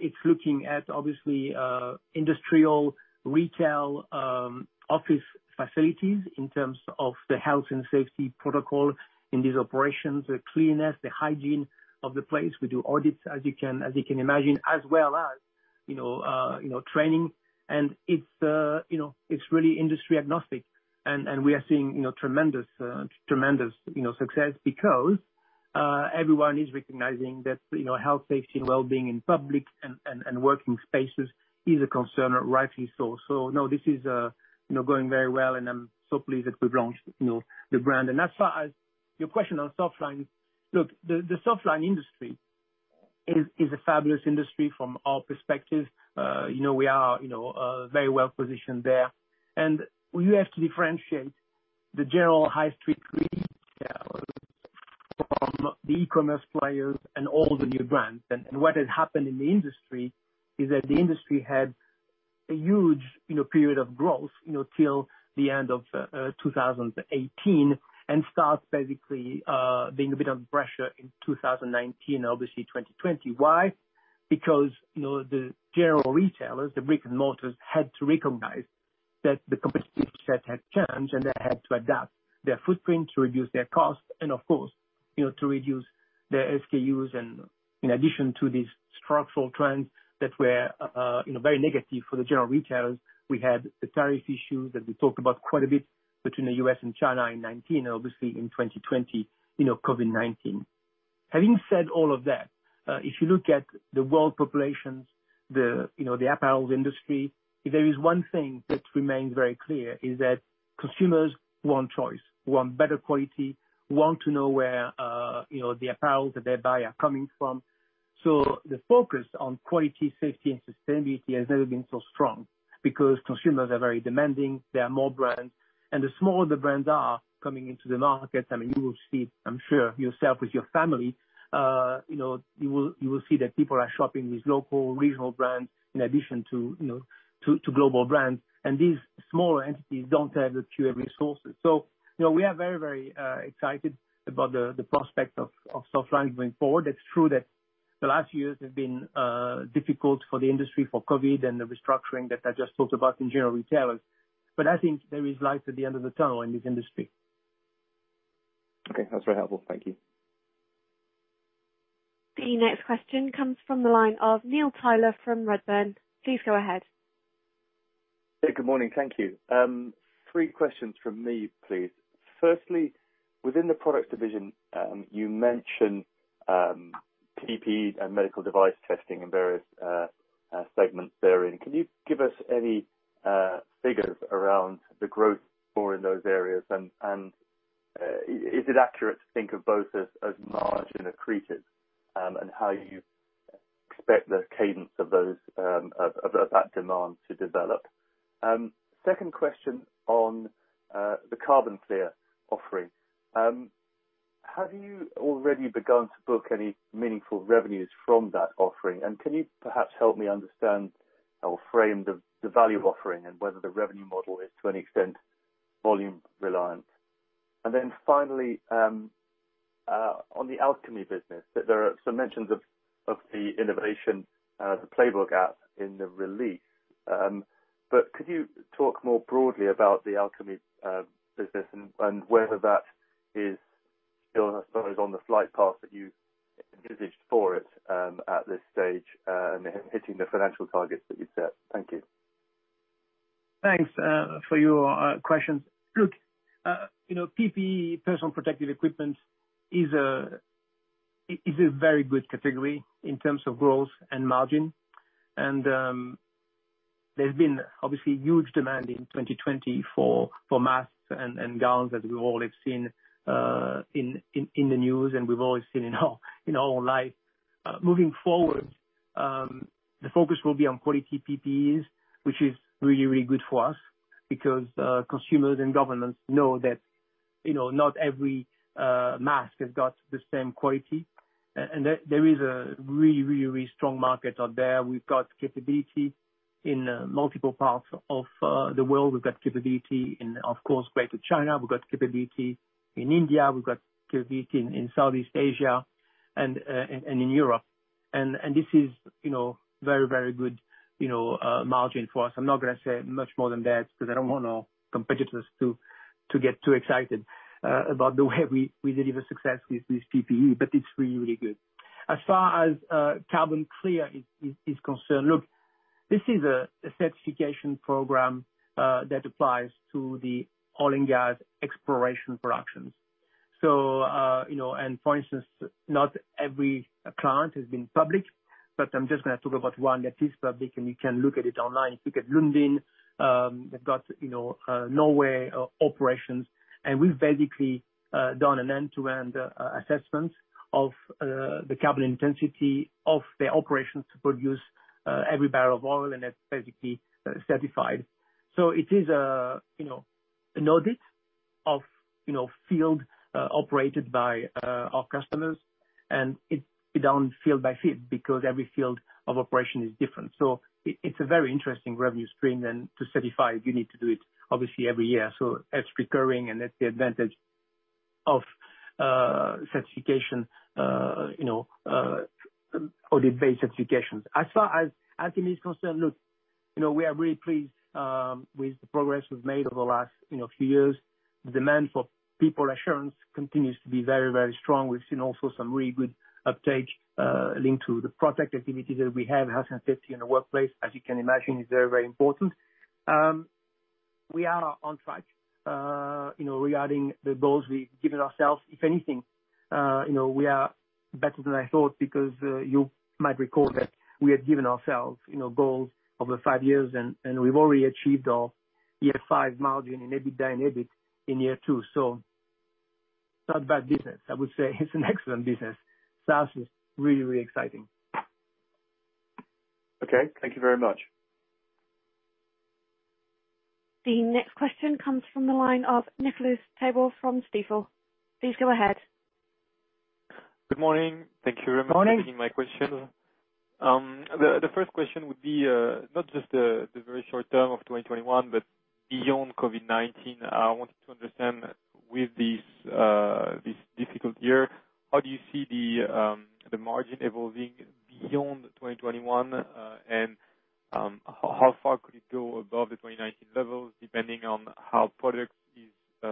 It's looking at obviously, industrial, retail, office facilities in terms of the health and safety protocol in these operations, the cleanness, the hygiene of the place. We do audits, as you can imagine, as well as training. It's really industry agnostic. We are seeing tremendous success because everyone is recognizing that health, safety, and wellbeing in public and working spaces is a concern, and rightly so. No, this is going very well, and I'm so pleased that we've launched the brand. As far as your question on Softline, look, the softline industry is a fabulous industry from our perspective. We are very well positioned there. You have to differentiate the general high street retail from the e-commerce players and all the new brands. What has happened in the industry is that the industry had a huge period of growth till the end of 2018 and starts basically being a bit of pressure in 2019, obviously 2020. Why? Because the general retailers, the brick and mortars, had to recognize that the competitive set had changed, and they had to adapt their footprint to reduce their costs and of course, to reduce their SKUs. In addition to these structural trends that were very negative for the general retailers, we had the tariff issues that we talked about quite a bit between the U.S. and China in 2019, and obviously in 2020, COVID-19. Having said all of that, if you look at the world population, the apparel industry, if there is one thing that remains very clear, is that consumers want choice, want better quality, want to know where the apparel that they buy are coming from. The focus on quality, safety, and sustainability has never been so strong because consumers are very demanding. There are more brands, and the smaller the brands are coming into the market, you will see, I'm sure yourself with your family, you will see that people are shopping with local regional brands in addition to global brands, and these smaller entities don't have the huge resources. We are very excited about the prospect of Softline going forward. It's true that the last years have been difficult for the industry, for COVID and the restructuring that I just talked about in general retailers. I think there is light at the end of the tunnel in this industry. Okay. That's very helpful. Thank you. The next question comes from the line of Neil Tyler from Redburn. Please go ahead. Hey, good morning. Thank you. Three questions from me, please. Within the Product division, you mentioned PPE and medical device testing and various segments therein. Can you give us any figures around the growth for in those areas? Is it accurate to think of both as margin accretives, and how you expect the cadence of that demand to develop? Second question on the CarbonClear offering. Have you already begun to book any meaningful revenues from that offering? Can you perhaps help me understand or frame the value offering and whether the revenue model is to any extent volume reliant? Finally, on the Alchemy business, there are some mentions of the innovation, the Playbook app in the release. Could you talk more broadly about the Alchemy business and whether that is still, I suppose, on the flight path that you envisaged for it, at this stage, and hitting the financial targets that you set? Thank you. Thanks for your questions. Look, PPE, personal protective equipment, is a very good category in terms of growth and margin. There's been obviously huge demand in 2020 for masks and gowns, as we all have seen in the news and we've always seen in our life. Moving forward, the focus will be on quality PPEs, which is really good for us because consumers and governments know that not every mask has got the same quality. There is a really strong market out there. We've got capability in multiple parts of the world. We've got capability in, of course, Greater China. We've got capability in India. We've got capability in Southeast Asia and in Europe. This is very good margin for us. I'm not going to say much more than that because I don't want our competitors to get too excited about the way we deliver success with this PPE, but it's really good. As far as CarbonClear is concerned, this is a certification program that applies to the oil and gas exploration productions. For instance, not every client has been public, but I'm just going to talk about one that is public, and you can look at it online. If you look at Lundin, they've got Norway operations, and we've basically done an end-to-end assessment of the carbon intensity of their operations to produce every barrel of oil, and that's basically certified. It is an audit of field operated by our customers, and it's done field by field because every field of operation is different. It's a very interesting revenue stream. To certify, you need to do it obviously every year. That's recurring, and that's the advantage of audit-based certifications. As far as Alchemy is concerned, look, we are really pleased with the progress we've made over the last few years. The demand for people assurance continues to be very strong. We've seen also some really good uptake linked to the project activities that we have. Health and safety in the workplace, as you can imagine, is very important. We are on track regarding the goals we've given ourselves. If anything, we are better than I thought because you might recall that we had given ourselves goals over five years, and we've already achieved our year five margin in EBITDA and EBIT in year two. It's not bad business. I would say it's an excellent business. SaaS is really exciting. Okay. Thank you very much. The next question comes from the line of Nicolas Tabor from Stifel. Please go ahead. Good morning. Thank you very much. Good morning. For taking my question. The first question would be, not just the very short term of 2021, but beyond COVID-19. I wanted to understand with this difficult year, how do you see the margin evolving beyond 2021? How far could it go above the 2019 levels, depending on how Product is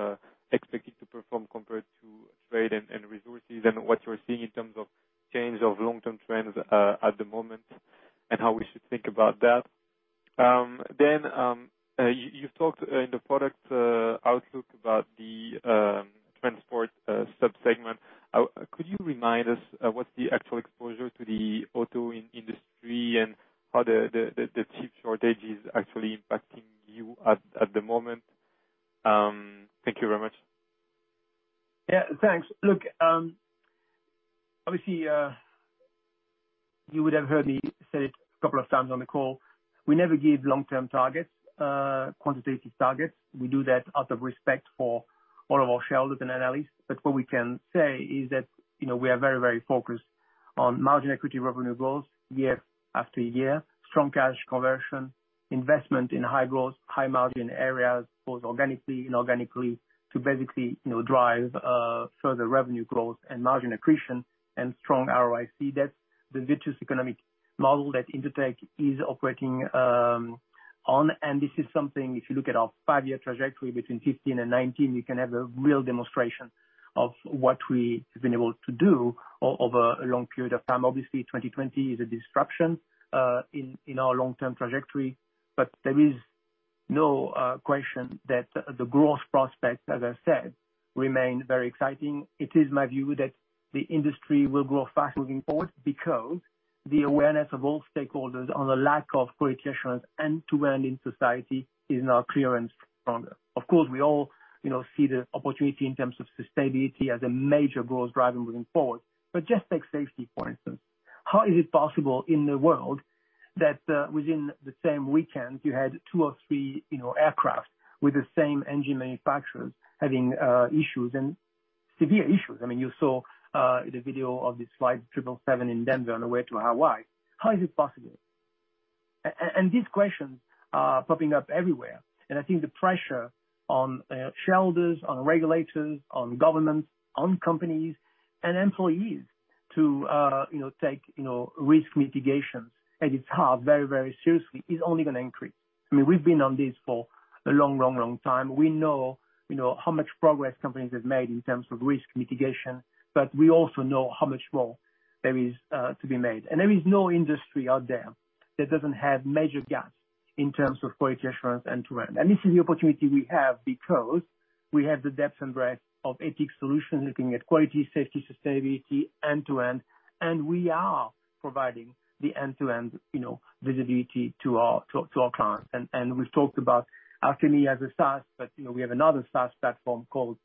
expected to perform compared to Trade and Resources, and what you're seeing in terms of change of long-term trends at the moment, and how we should think about that? You've talked in the Product outlook about the Transport sub-segment. Could you remind us what the actual exposure to the auto industry and how the chip shortage is actually impacting you at the moment? Thank you very much. Yeah, thanks. Obviously, you would have heard me say it a couple of times on the call. We never give long-term targets, quantitative targets. We do that out of respect for all of our shareholders and analysts. What we can say is that we are very focused on margin accretive revenue goals year after year, strong cash conversion, investment in high growth, high margin areas, both organically, inorganically, to basically drive further revenue growth and margin accretion and strong ROIC. That's the virtuous economic model that Intertek is operating on. This is something if you look at our five-year trajectory between 2015 and 2019, you can have a real demonstration of what we have been able to do over a long period of time. 2020 is a disruption in our long-term trajectory. There is no question that the growth prospects, as I said, remain very exciting. It is my view that the industry will grow fast moving forward because the awareness of all stakeholders on the lack of quality assurance end-to-end in society is now clear and stronger. We all see the opportunity in terms of sustainability as a major growth driver moving forward. Just take safety, for instance. How is it possible in the world that within the same weekend, you had two or three aircraft with the same engine manufacturers having issues, and severe issues? I mean, you saw the video of this flight 777 in Denver on the way to Hawaii. How is it possible? These questions are popping up everywhere. I think the pressure on shareholders, on regulators, on governments, on companies and employees to take risk mitigations at its heart very seriously, is only going to increase. We've been on this for a long time. We know how much progress companies have made in terms of risk mitigation, but we also know how much more there is to be made. There is no industry out there that doesn't have major gaps in terms of quality assurance end-to-end. This is the opportunity we have because we have the depth and breadth of ATIC solutions looking at quality, safety, sustainability end-to-end, and we are providing the end-to-end visibility to our clients. We've talked about Alchemy as a SaaS, but we have another SaaS platform called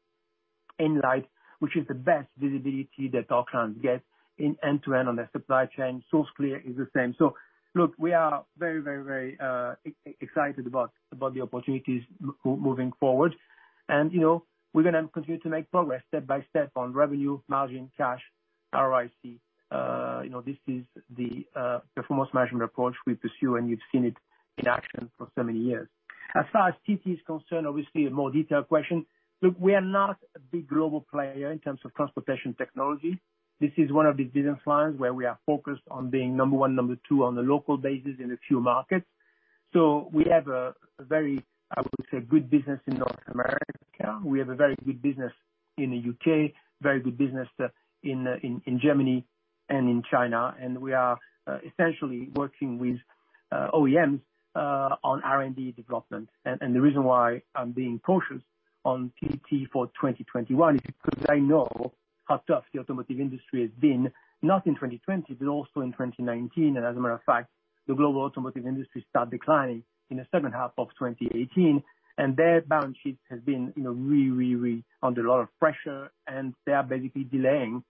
Inlight, which is the best visibility that our clients get in end-to-end on their supply chain. SourceClear is the same. Look, we are very excited about the opportunities moving forward. We're going to continue to make progress step by step on revenue, margin, cash, ROIC. This is the performance measurement approach we pursue, and you've seen it in action for so many years. As far as TT is concerned, obviously, a more detailed question. Look, we are not a big global player in terms of transportation technology. This is one of the business lines where we are focused on being number one, number two on a local basis in a few markets. We have a very, I would say, good business in North America. We have a very good business in the U.K., very good business in Germany and in China. We are essentially working with OEMs on R&D development. The reason why I'm being cautious on TT for 2021 is because I know how tough the automotive industry has been, not in 2020, but also in 2019. As a matter of fact, the global automotive industry started declining in the second half of 2018, and their balance sheet has been really under a lot of pressure, and they are basically delaying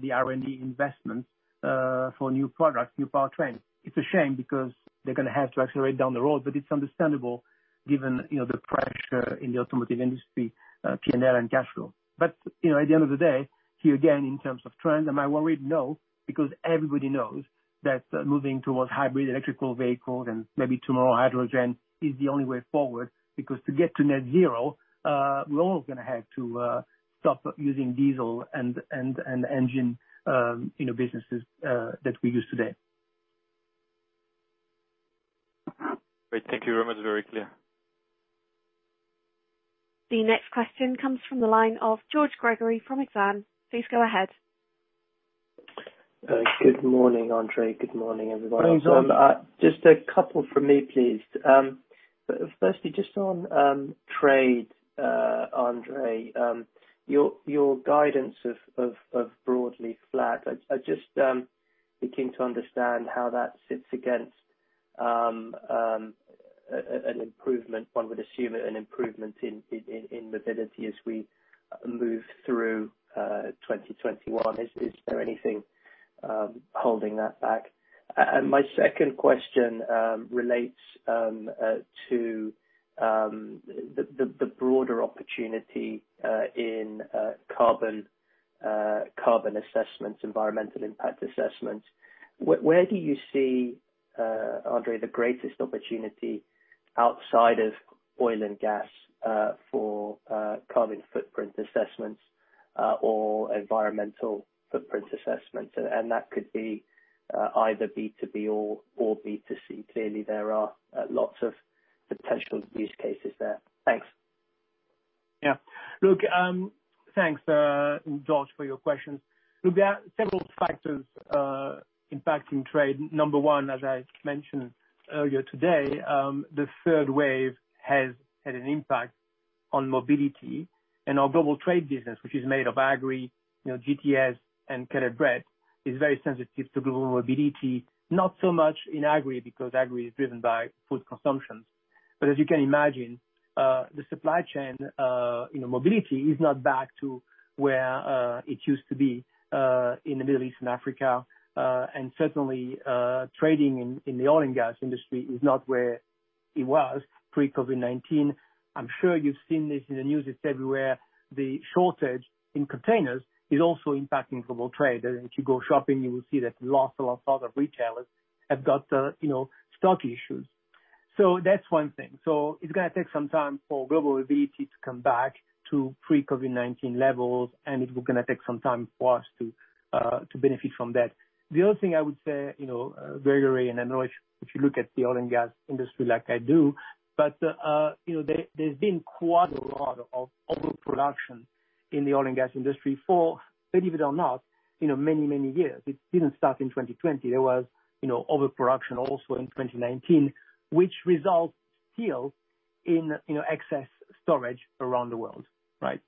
the R&D investment for new products, new powertrains. It's a shame because they're going to have to accelerate down the road, but it's understandable given the pressure in the automotive industry, P&L and cash flow. At the end of the day, here again, in terms of trend, I'm worried, no, because everybody knows that moving towards hybrid electrical vehicles and maybe tomorrow hydrogen is the only way forward, because to get to net zero, we're all going to have to stop using diesel and engine businesses that we use today. Great. Thank you very much. Very clear. The next question comes from the line of George Gregory from Exane. Please go ahead. Good morning, André. Good morning, everybody. Morning, George. Just a couple from me, please. Firstly, just on trade, André, your guidance of broadly flat, I'm just looking to understand how that sits against an improvement, one would assume an improvement in mobility as we move through 2021. Is there anything holding that back? My second question relates to the broader opportunity in carbon assessments, environmental impact assessments. Where do you see, André, the greatest opportunity outside of oil and gas for carbon footprint assessments or environmental footprint assessments? That could be either B2B or B2C. Clearly, there are lots of potential use cases there. Thanks. Yeah. Look, thanks, George, for your questions. Look, there are several factors impacting trade. Number one, as I mentioned earlier today, the third wave has had an impact on mobility and our global trade business, which is made of Agri, GTS, and Caleb Brett is very sensitive to global mobility, not so much in Agri, because Agri is driven by food consumption. As you can imagine, the supply chain mobility is not back to where it used to be in the Middle East and Africa. Certainly, trading in the oil and gas industry is not where it was pre-COVID-19. I'm sure you've seen this in the news, it's everywhere. The shortage in containers is also impacting global trade. If you go shopping, you will see that lots of other retailers have got stock issues. That's one thing. It's going to take some time for global mobility to come back to pre-COVID-19 levels, and it will going to take some time for us to benefit from that. The other thing I would say, very, and I know if you look at the oil and gas industry like I do, there's been quite a lot of overproduction in the oil and gas industry for, believe it or not, many, many years. It didn't start in 2020. There was overproduction also in 2019, which results still in excess storage around the world. Right?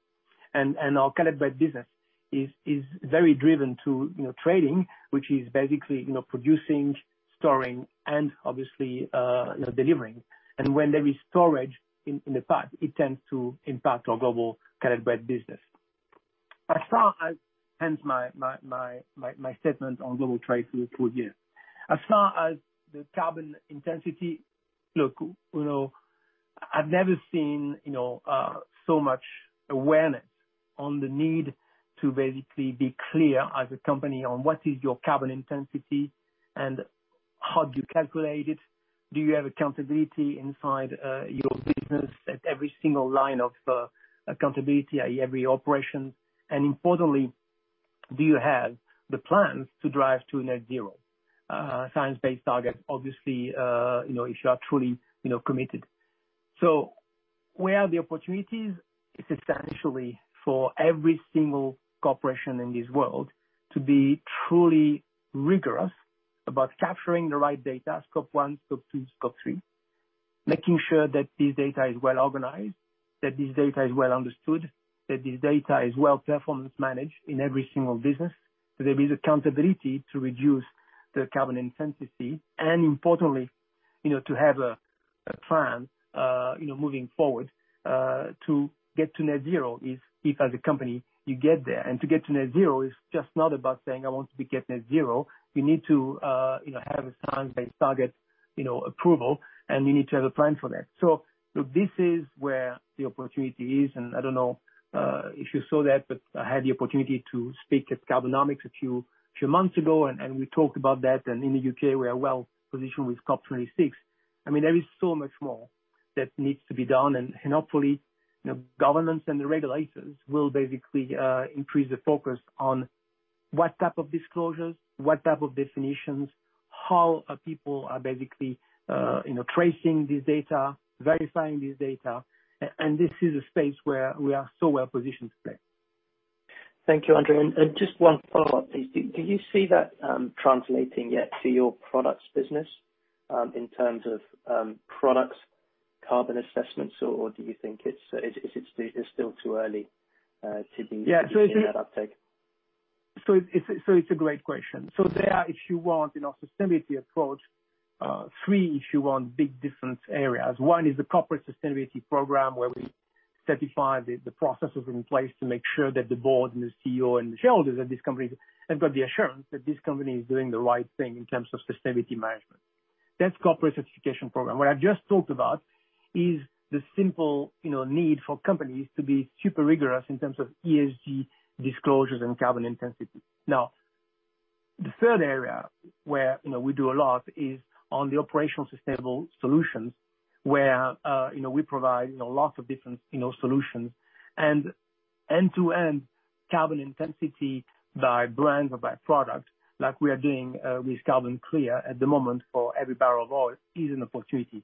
Our Caleb Brett business is very driven to trading, which is basically producing, storing, and obviously delivering. When there is storage in the pipe, it tends to impact our global Caleb Brett business. Hence my statement on global trade through the full year. As far as the carbon intensity, look, I've never seen so much awareness on the need to basically be clear as a company on what is your carbon intensity and how do you calculate it? Do you have accountability inside your business at every single line of accountability at every operation? Importantly, do you have the plans to drive to net zero? Science-based target, obviously, if you are truly committed. Where are the opportunities? It's essentially for every single corporation in this world to be truly rigorous about capturing the right data, Scope 1, Scope 2, Scope 3, making sure that this data is well organized, that this data is well understood, that this data is well performance managed in every single business. That there is accountability to reduce the carbon intensity, and importantly, to have a plan moving forward, to get to net zero if as a company you get there. To get to net zero is just not about saying, "I want to be get net zero." We need to have a science-based target approval, and we need to have a plan for that. This is where the opportunity is, I don't know if you saw that, but I had the opportunity to speak at Carbonomics a few months ago, and we talked about that. In the U.K., we are well-positioned with COP26. There is so much more that needs to be done, and hopefully, governance and the regulators will basically increase the focus on what type of disclosures, what type of definitions, how people are basically tracing this data, verifying this data. This is a space where we are so well positioned to play. Thank you, André. Just one follow-up, please. Do you see that translating yet to your products business in terms of products carbon assessments, or do you think it's still too early to be seeing that uptake? It's a great question. There, if you want, in our sustainability approach, three, if you want, big different areas. One is the Corporate Sustainability programme, where we certify the processes in place to make sure that the Board and the CEO and the shareholders of this company have got the assurance that this company is doing the right thing in terms of sustainability management. That's corporate certification programme. What I just talked about is the simple need for companies to be super rigorous in terms of ESG disclosures and carbon intensity. The third area where we do a lot is on the operational sustainable solutions, where we provide lots of different solutions and end-to-end carbon intensity by brand or by product, like we are doing with CarbonClear at the moment for every barrel of oil, is an opportunity.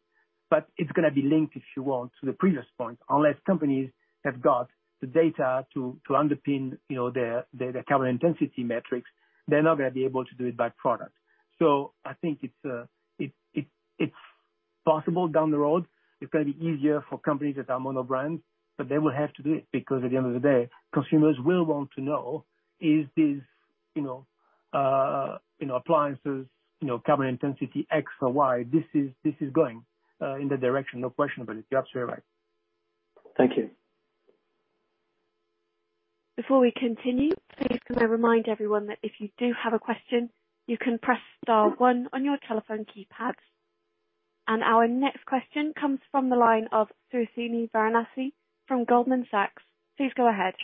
It's going to be linked, if you want, to the previous point. Unless companies have got the data to underpin their carbon intensity metrics, they're not going to be able to do it by product. I think it's possible down the road. It's going to be easier for companies that are mono brands, but they will have to do it because at the end of the day, consumers will want to know, is this appliances carbon intensity X or Y? This is going in that direction, no question about it. You're absolutely right. Thank you. Before we continue, please can I remind everyone that if you do have a question, you can press star one on your telephone keypads. Our next question comes from the line of Suhasini Varanasi from Goldman Sachs. Please go ahead.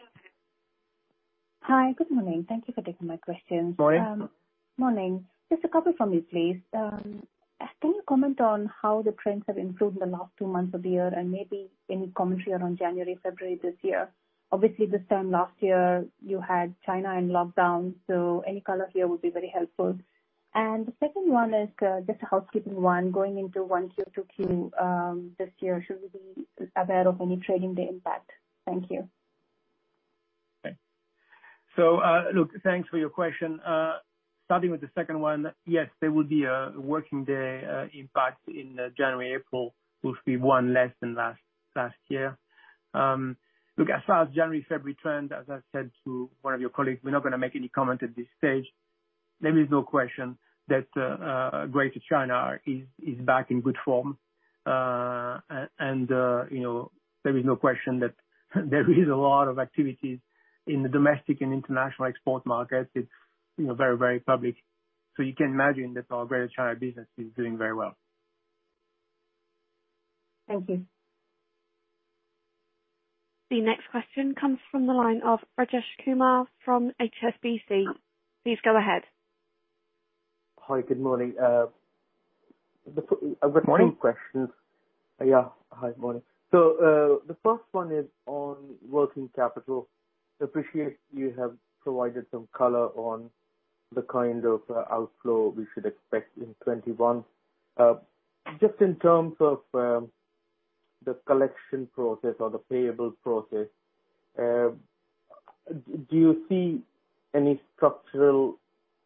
Hi. Good morning. Thank you for taking my question. Morning. Morning. Just a couple from me, please. Can you comment on how the trends have improved in the last two months of the year and maybe any commentary on January, February this year? Obviously, this time last year, you had China in lockdown, so any color here would be very helpful. The second one is just a housekeeping one. Going into 1Q to 2Q this year, should we be aware of any trading day impact? Thank you. Okay. Look, thanks for your question. Starting with the second one, yes, there will be a working day impact in January, April. We'll be one less than last year. Look, as far as January, February trend, as I've said to one of your colleagues, we're not going to make any comment at this stage. There is no question that Greater China is back in good form. There is no question that there is a lot of activities in the domestic and international export markets. It's very public. You can imagine that our Greater China business is doing very well. Thank you. The next question comes from the line of Rajesh Kumar from HSBC. Please go ahead. Hi. Good morning. Good morning. A routine question. Yeah. Hi. Morning. The first one is on working capital. Appreciate you have provided some color on the kind of outflow we should expect in 2021. Just in terms of the collection process or the payable process, do you see any structural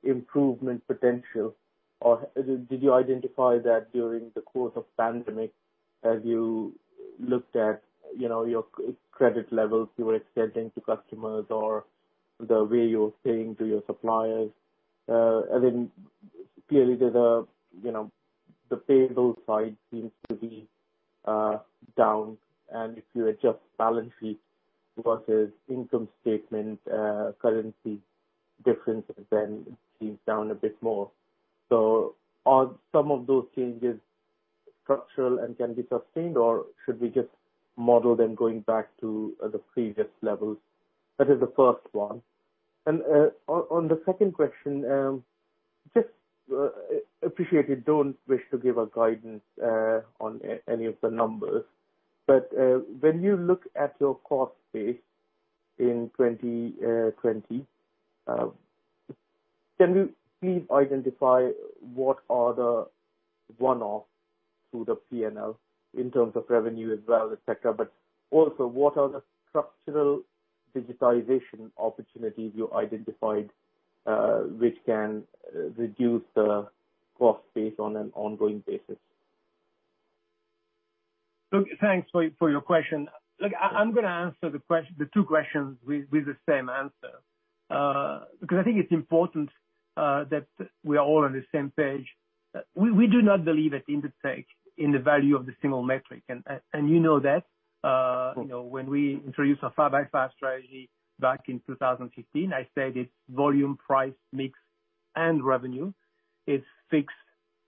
improvement potential or did you identify that during the course of pandemic as you looked at your credit levels you were extending to customers or the way you're paying to your suppliers? I mean, clearly the payables side seems to be down, and if you adjust balance sheet versus income statement, currency differences then seems down a bit more. Are some of those changes structural and can be sustained, or should we just model them going back to the previous levels? That is the first one. On the second question, just appreciate you don't wish to give a guidance on any of the numbers, when you look at your cost base in 2020, can you please identify what are the one-off through the P&L in terms of revenue as well, et cetera, but also what are the structural digitization opportunities you identified, which can reduce the cost base on an ongoing basis? Look, thanks for your question. Look, I'm gonna answer the two questions with the same answer, because I think it's important that we're all on the same page. We do not believe at Intertek in the value of the single metric, and you know that. Sure. When we introduced our 5x5 strategy back in 2015, I said it's volume, price, mix, and revenue. It's fixed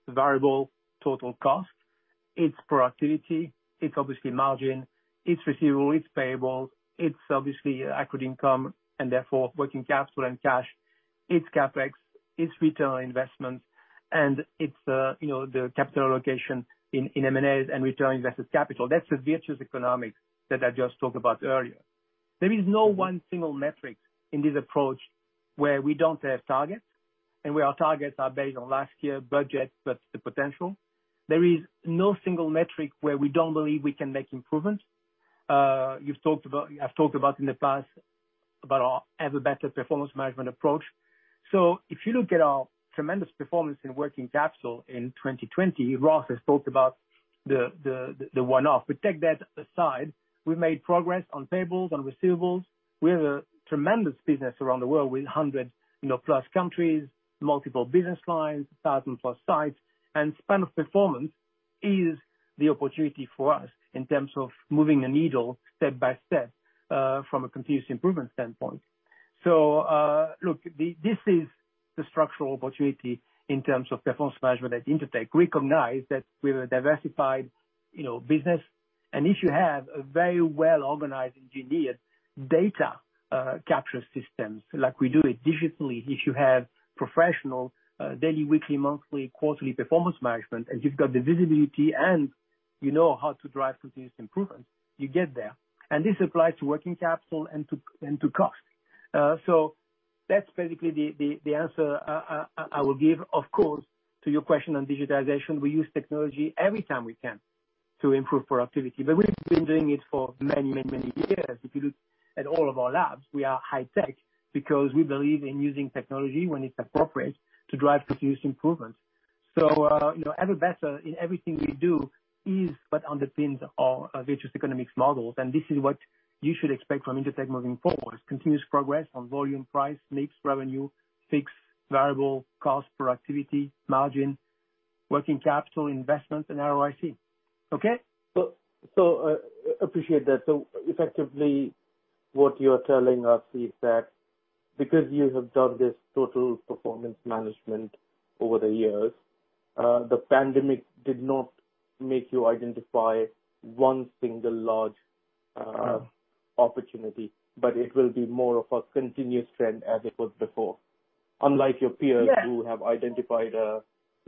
variable total cost. It's productivity. It's obviously margin. It's receivable. It's payable. It's obviously equity income and therefore working capital and cash. It's CapEx. It's return on investments, and it's the capital allocation in M&As and return on invested capital. That's the virtuous economics that I just talked about earlier. There is no one single metric in this approach where we don't have targets and where our targets are based on last year's budget plus the potential. There is no single metric where we don't believe we can make improvements. I've talked about in the past about our ever better performance management approach. If you look at our tremendous performance in working capital in 2020, Ross has talked about the one-off. Take that aside, we've made progress on payables and receivables. We have a tremendous business around the world with 100+ countries, multiple business lines, 1,000+ sites, and span of performance is the opportunity for us in terms of moving a needle step by step, from a continuous improvement standpoint. Look, this is the structural opportunity in terms of performance management at Intertek. Recognize that we're a diversified business, and if you have a very well-organized engineered data capture systems like we do it digitally, if you have professional daily, weekly, monthly, quarterly performance management, and you've got the visibility and you know how to drive continuous improvements, you get there. This applies to working capital and to cost. That's basically the answer I will give. To your question on digitization, we use technology every time we can to improve productivity, but we've been doing it for many years. If you look at all of our labs, we are high-tech because we believe in using technology when it's appropriate to drive continuous improvement. Ever better in everything we do is what underpins our virtuous economics models, and this is what you should expect from Intertek moving forward. Continuous progress on volume, price, mix, revenue, fixed variable cost productivity, margin, working capital, investments, and ROIC. Okay? Appreciate that. Effectively what you're telling us is that because you have done this total performance management over the years, the pandemic did not make you identify one single large opportunity, but it will be more of a continuous trend as it was before. Yes. Unlike your peers, who have identified a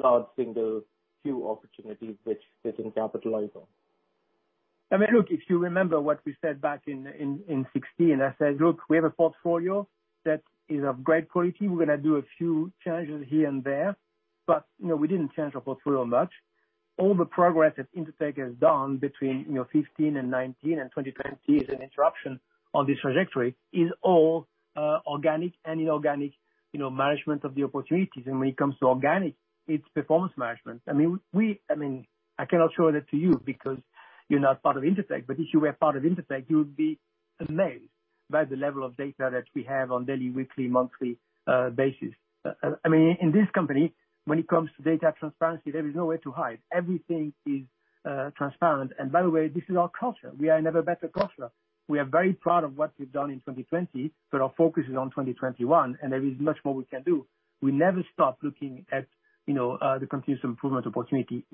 large single few opportunities which they can capitalize on. I mean, look, if you remember what we said back in 2016, I said, "Look, we have a portfolio that is of great quality." We're gonna do a few changes here and there. We didn't change our portfolio much. All the progress that Intertek has done between 2015 and 2019, and 2020 is an interruption on this trajectory, is all organic and inorganic management of the opportunities. When it comes to organic, it's performance management. I mean, I cannot show that to you because you're not part of Intertek, but if you were part of Intertek, you would be amazed by the level of data that we have on daily, weekly, monthly basis. I mean, in this company, when it comes to data transparency, there is nowhere to hide. Everything is transparent. By the way, this is our culture. We are an ever better culture. We are very proud of what we've done in 2020, but our focus is on 2021, and there is much more we can do. We never stop looking at the continuous improvement opportunity.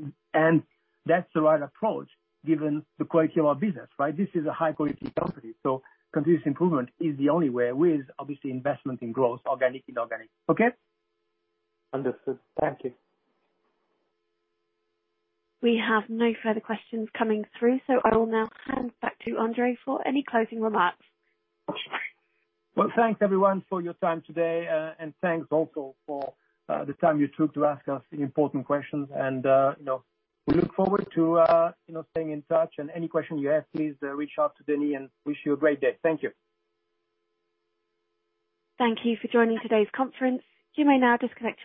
That's the right approach, given the quality of our business, right? This is a high-quality company, so continuous improvement is the only way, with obviously investment in growth, organic, inorganic. Okay? Understood. Thank you. We have no further questions coming through, so I will now hand back to André for any closing remarks. Thanks everyone for your time today, and thanks also for the time you took to ask us important questions and we look forward to staying in touch and any questions you have, please reach out to Denis and wish you a great day. Thank you. Thank you for joining today's conference. You may now disconnect your lines.